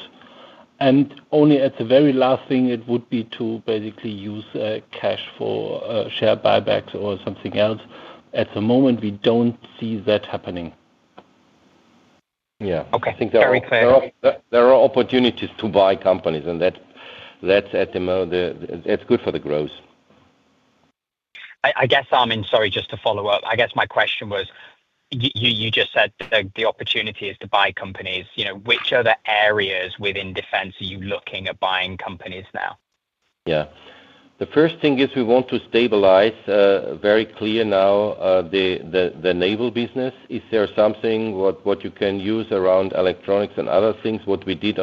[SPEAKER 3] and only at the very last thing it would be to basically use cash for share buybacks or something else. At the moment we don't see that happening.
[SPEAKER 2] Yeah, very clear. There are opportunities to buy companies and that, that's at the moment, that's good for the growth.
[SPEAKER 14] I guess. Armin, sorry, just to follow up, I guess my question was you just said the opportunity is to buy companies. Which other areas within defense are you looking at buying companies now?
[SPEAKER 2] Yeah, the first thing is we want to stabilize. Very clear. Now the naval business, is there something what you can use around electronics and other things? What we did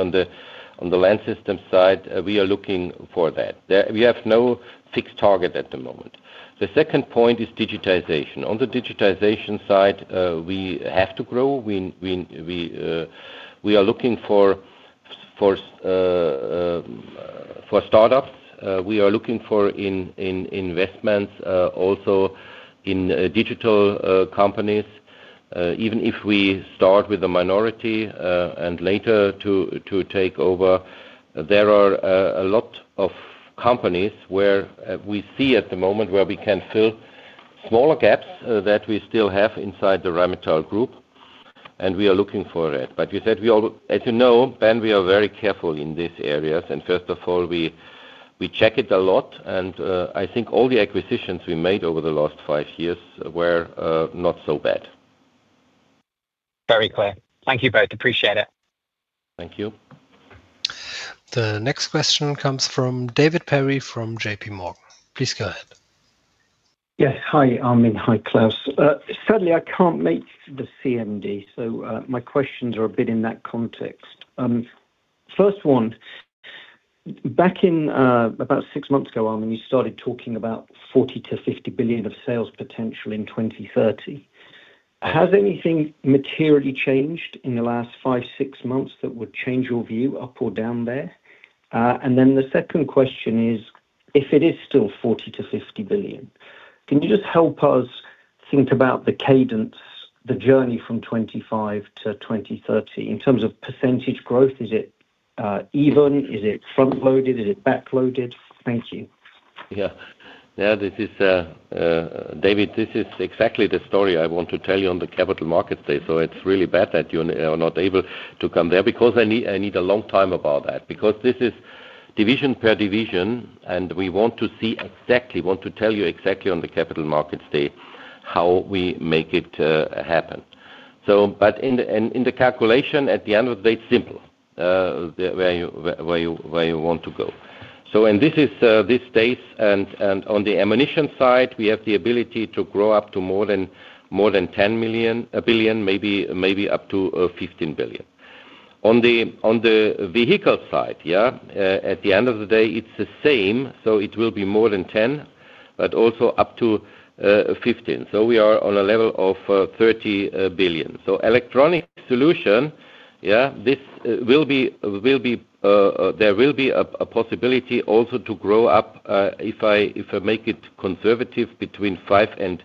[SPEAKER 2] on the land system side, we are looking for that. We have no fixed target at the moment. The second point is digitization. On the digitization side we have to grow. We are looking for startups, we are looking for investments also in digital companies. Even if we start with the minority and later to take over, there are a lot of companies where we see at the moment where we can fill smaller gaps that we still have inside the Rheinmetall group and we are looking for it. But we said we all, as you know, Ben, we are very careful in these areas and first of all we check it a lot and I think all the acquisitions we made over the last few years, five years were not so bad.
[SPEAKER 14] Very clear. Thank you both, appreciate it.
[SPEAKER 2] Thank you.
[SPEAKER 1] The next question comes from David Perry from JPMorgan. Please go ahead.
[SPEAKER 15] Yes. Hi Armin. Hi Klaus. Sadly I can't make the cmd. So my questions are a bit in that context. First one, back in about six months ago, Armin, you started talking about 40 to 50 billion of sales potential in 2030. Has anything materially changed in the last five, six months that would change your view up or down there? And then the second question is if it is still 40 to 50 billion, can you just help us think about the cadence, the journey from 25 to 2030 in terms of percentage growth? Is it even, is it front loaded? Is it backloaded? Thank you.
[SPEAKER 2] Yeah, yeah. This is David, this is exactly the story I want to tell you on the capital markets day. So it's really bad that you are not able to come there because I need a long time about that because this is division per division and we want to see exactly, want to tell you exactly on the capital markets day how we make it happen. So but in the calculation at the end of the day it's simple where you want to go. So and this is this days and on the ammunition side we have the ability to grow up to more than. More than 10 million, maybe up to 15 billion. On the vehicle side, at the end of the day it's the same. So it will be more than 10, but also up to 15. So we are on a level of 30 billion. So electronic solution. Yeah, this will be, will be. There will be a possibility also to grow up, if I make it conservative, between 5 and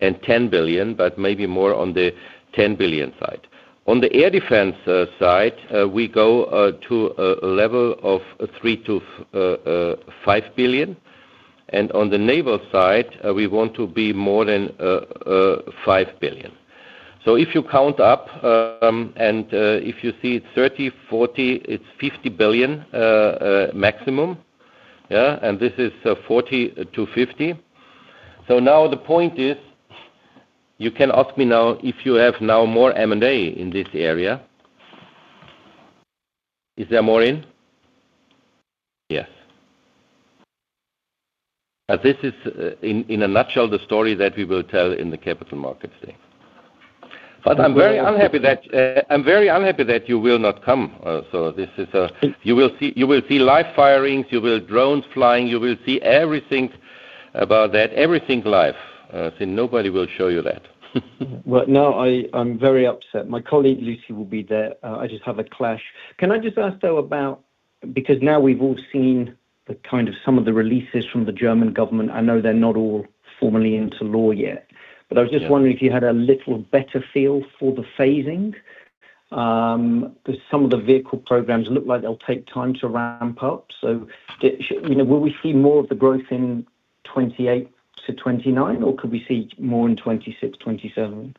[SPEAKER 2] 10 billion, but maybe more on the 10 billion side. On the air defence side we go to a level of 3 to 5 billion. And on the naval side we want to be more than 5 billion. So if you count up and if you see 30, 40, it's 50 billion maximum. And this is 40-50. So now the point is, you can ask me now if you have now more M and A in this area, is there more in. Yes, this is in a nutshell, the story that we will tell in the capital markets day. But I'm very unhappy that. I'm very unhappy that you will not come. So this is. You will see, you will see live firings, you will. Drones flying, you will see everything about that, everything. Life. Nobody will show you that.
[SPEAKER 15] Right now I'm very upset. My colleague Lucy will be there. I just have a clash. Can I just ask though about. Because now we've all seen kind of some of the releases from the German government. I know they're not all formally into law yet, but I was just wondering if you had a little better feel for the phasing because some of the vehicle programs look like they'll take time to ramp up. So will we see more of the growth in 28-29 or could we see more in 2627?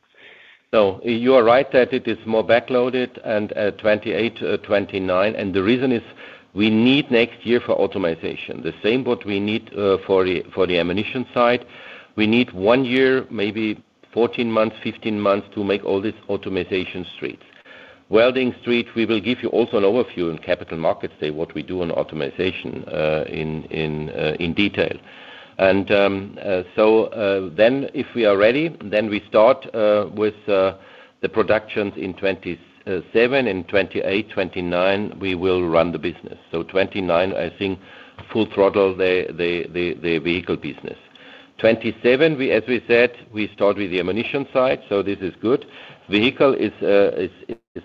[SPEAKER 2] No, you are right that it is more backloaded and 2829. And the reason is we need next year for automation, the same what we need for the ammunition side. We need one year, maybe 14 months, 15 months to make all this automation, street welding, street. We will give you also an overview in capital markets day what we do on optimization in detail. And so then if we are ready, then we start with the productions in 27, in 2829 we will run the business. So 29, I think Full Throttle the vehicle business. 27, as we said, we start with the ammunition side. So this is good. Vehicle is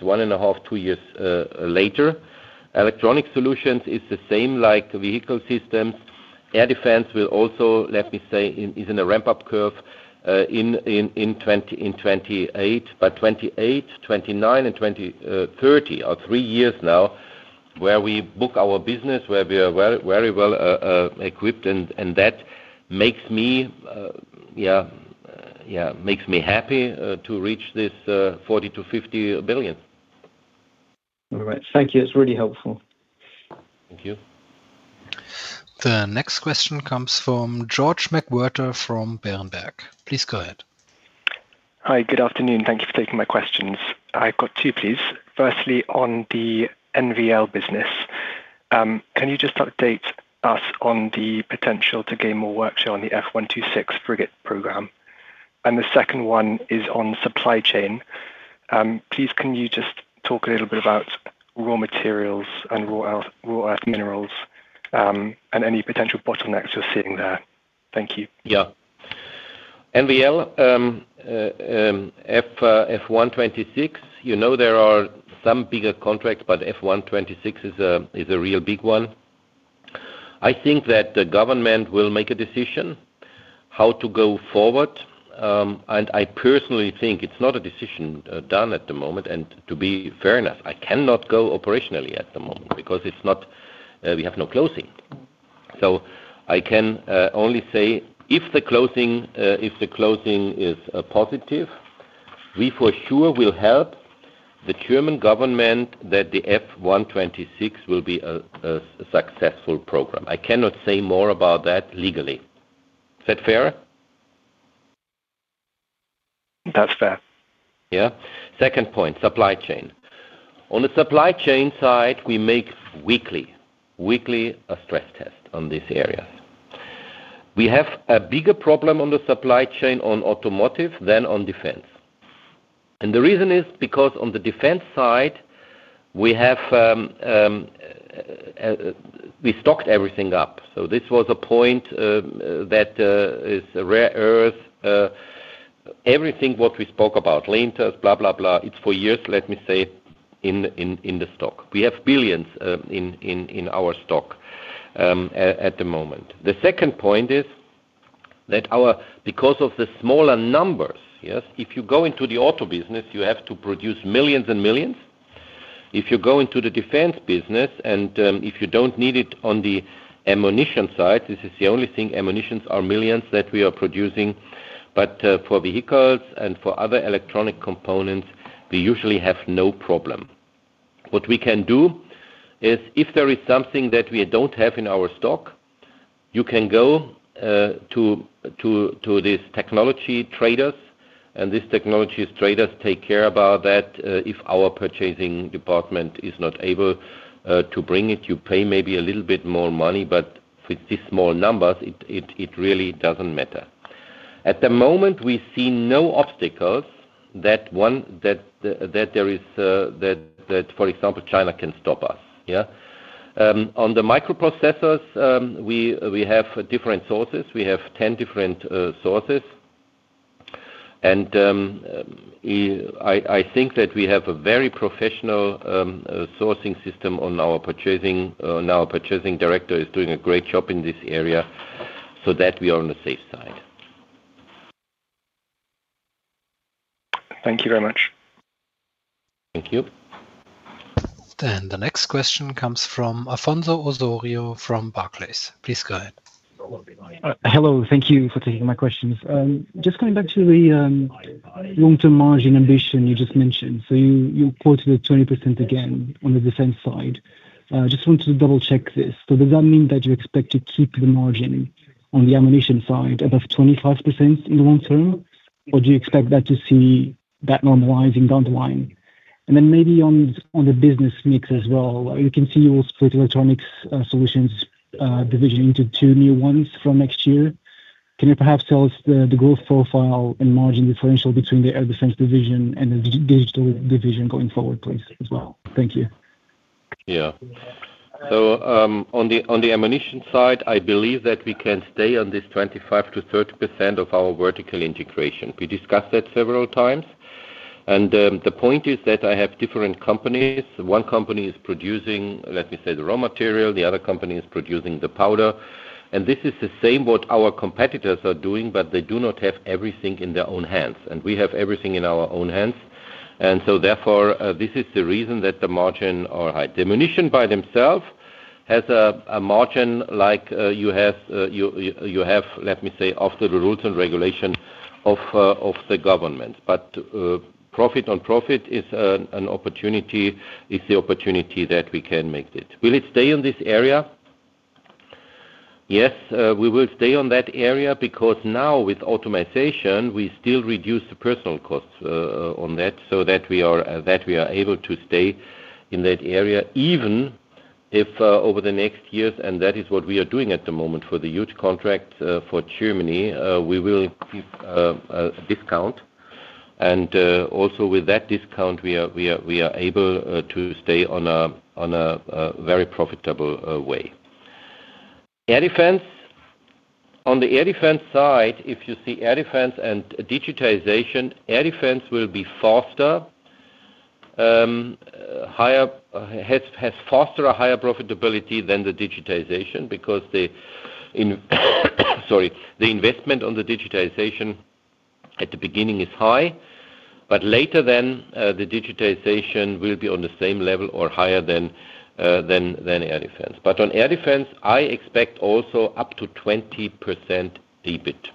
[SPEAKER 2] one and a half, two years later. Electronic solutions is the same like vehicle systems. Air defense will also, let me say is in a ramp up curve in 28, but 28, 29 and 2030 are three years now where we book our business, where we are very well equipped. And that makes me happy to reach this 40-50 billion.
[SPEAKER 15] All right, thank you. It's really helpful.
[SPEAKER 2] Thank you.
[SPEAKER 1] The next question comes from George McWhirter from Berenberg. Please go ahead.
[SPEAKER 16] Hi, good afternoon. Thank you for taking my questions. I've got two, please. Firstly, on the NVL business, can you just update us on the potential to gain more workshow on the F126 frigate program? And the second one is on supply chain. Please, can you just talk a little bit about raw materials and raw earth minerals and any potential bottlenecks you're seeing there? Thank you.
[SPEAKER 2] Yeah, NVL F126, you know, there are some bigger contracts, but F126 is a, is a real big one. I think that the government will make a decision how to go forward and I personally think it's not a decision done at the moment. And to be fair enough, I cannot go operationally at the moment because it's not. We have no closing. So I can only say if the closing, if the closing is positive, we for sure will help the German government that the F126 will be a successful program. I cannot say more about that legally. Is that fair?
[SPEAKER 16] That's fair, yeah.
[SPEAKER 2] Second point supply chain. On the supply chain side, we make weekly a stress test on these areas. We have a bigger problem on the supply chain on automotive than on defense. And the reason is because on the defence side we stocked everything up. So this was a point that is rare earth, everything. What we spoke about, Leinterns, blah blah, blah. It's for years. Let me say in the stock, we have billions in our stock at the moment. The second point is that because of the smaller numbers, if you go into the auto business, you have to produce millions and millions. If you go into the defense business and if you don't need it, on the ammunition side, this is the only thing. Ammunitions are millions that we are producing. But for vehicles and for other electronic components we usually have no problem. What we can do is if there is something that we don't have in our stock, you can go to these technology traders and this technology traders take care about that. If our purchasing department is not able to, to bring it, you pay maybe a little bit more money. But with these small numbers it really doesn't matter. At the moment we see no obstacles that there is that, for example, China can stop us. On the microprocessors we have different sources. We have 10 different sources. And I think that we have a very professional sourcing system on our purchasing now. Purchasing director is doing a great job in this area, so that we are on the safe side.
[SPEAKER 16] Thank you very much.
[SPEAKER 2] Thank you.
[SPEAKER 1] Then the next question comes from Afonso Osorio from Barclays. Please go ahead.
[SPEAKER 17] Hello. Thank you for taking my questions. Just coming back to the long term margin ambition you just mentioned. So you. You quoted 20% again on the defense side. I just want to double check this. So does that mean that you expect to keep the margin on the ammunition side above 25% in the long term, or do you expect that to see that normalizing down the line and then maybe on. On the business mix as well? You can see you will split Electronics Solutions division into two new ones from next year. Can you perhaps tell us the growth profile and margin differential between the Air defense division and the digital division going forward, please, as well? Thank you.
[SPEAKER 2] Yeah. So on the. On the ammunition side, I believe that we can stay on this 25 to 30% of our vertical integration. We discussed that several times. And the point is that I have different companies. One company is producing, let me say, the raw material. The other company is producing the powder. And this is the same what our competitors are doing. But they do not have everything in their own hands. And we have everything in our own hands. And so therefore this is the reason that the margin or high diminution by themselves has a margin like you have, you have, let me say, after the rules and regulation of the government. But profit on profit is an opportunity. Is the opportunity that we can make it. Will it stay in this area? Yes, we will stay on that area. Because now with automation, we still reduce the personal costs on that. So that we are. That we are able to stay in that area even if over the next years. And that is what we are doing at the moment. For the huge contract for Germany, we will give discount. And also with that discount, we are able to stay on a very profitable way, air defense. On the air defense side, if you see air defence and digitization, Air defense will be faster, has faster, a higher profitability than the digitization. Because the. Sorry, the investment on the digitization at the beginning is high, but later, then the digitization will be on the same level or higher than air defense. But on air defence I expect also up to 20% EBIT.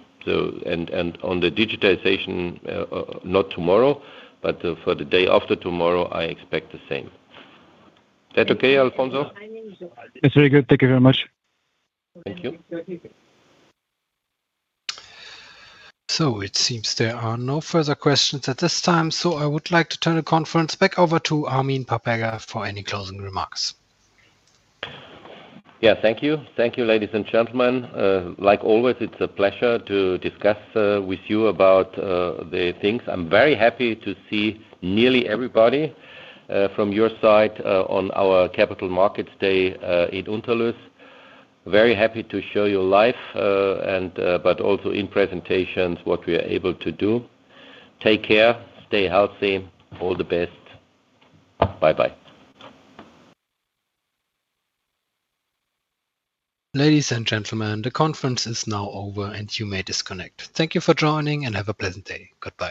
[SPEAKER 2] And on the digitization, not tomorrow, but for the day after tomorrow, I expect the same that.
[SPEAKER 17] Okay, Alfonso, thank you very much.
[SPEAKER 2] Thank you.
[SPEAKER 1] So it seems there are no further questions at this time. So I would like to turn the conference back over to Armin Papperger for any closing remarks.
[SPEAKER 2] Yeah. Thank you. Thank you, ladies and gentlemen. Like always, it's a pleasure to discuss with you about the things. I'm very happy to see nearly every everybody from your side on our capital markets day in unterluss. Very happy to show you live but also in presentations what we are able to do. Take care, stay healthy, all the best. Bye bye.
[SPEAKER 1] Ladies and gentlemen, the conference is now over and you may disconnect. Thank you for joining and have a pleasant day. Goodbye.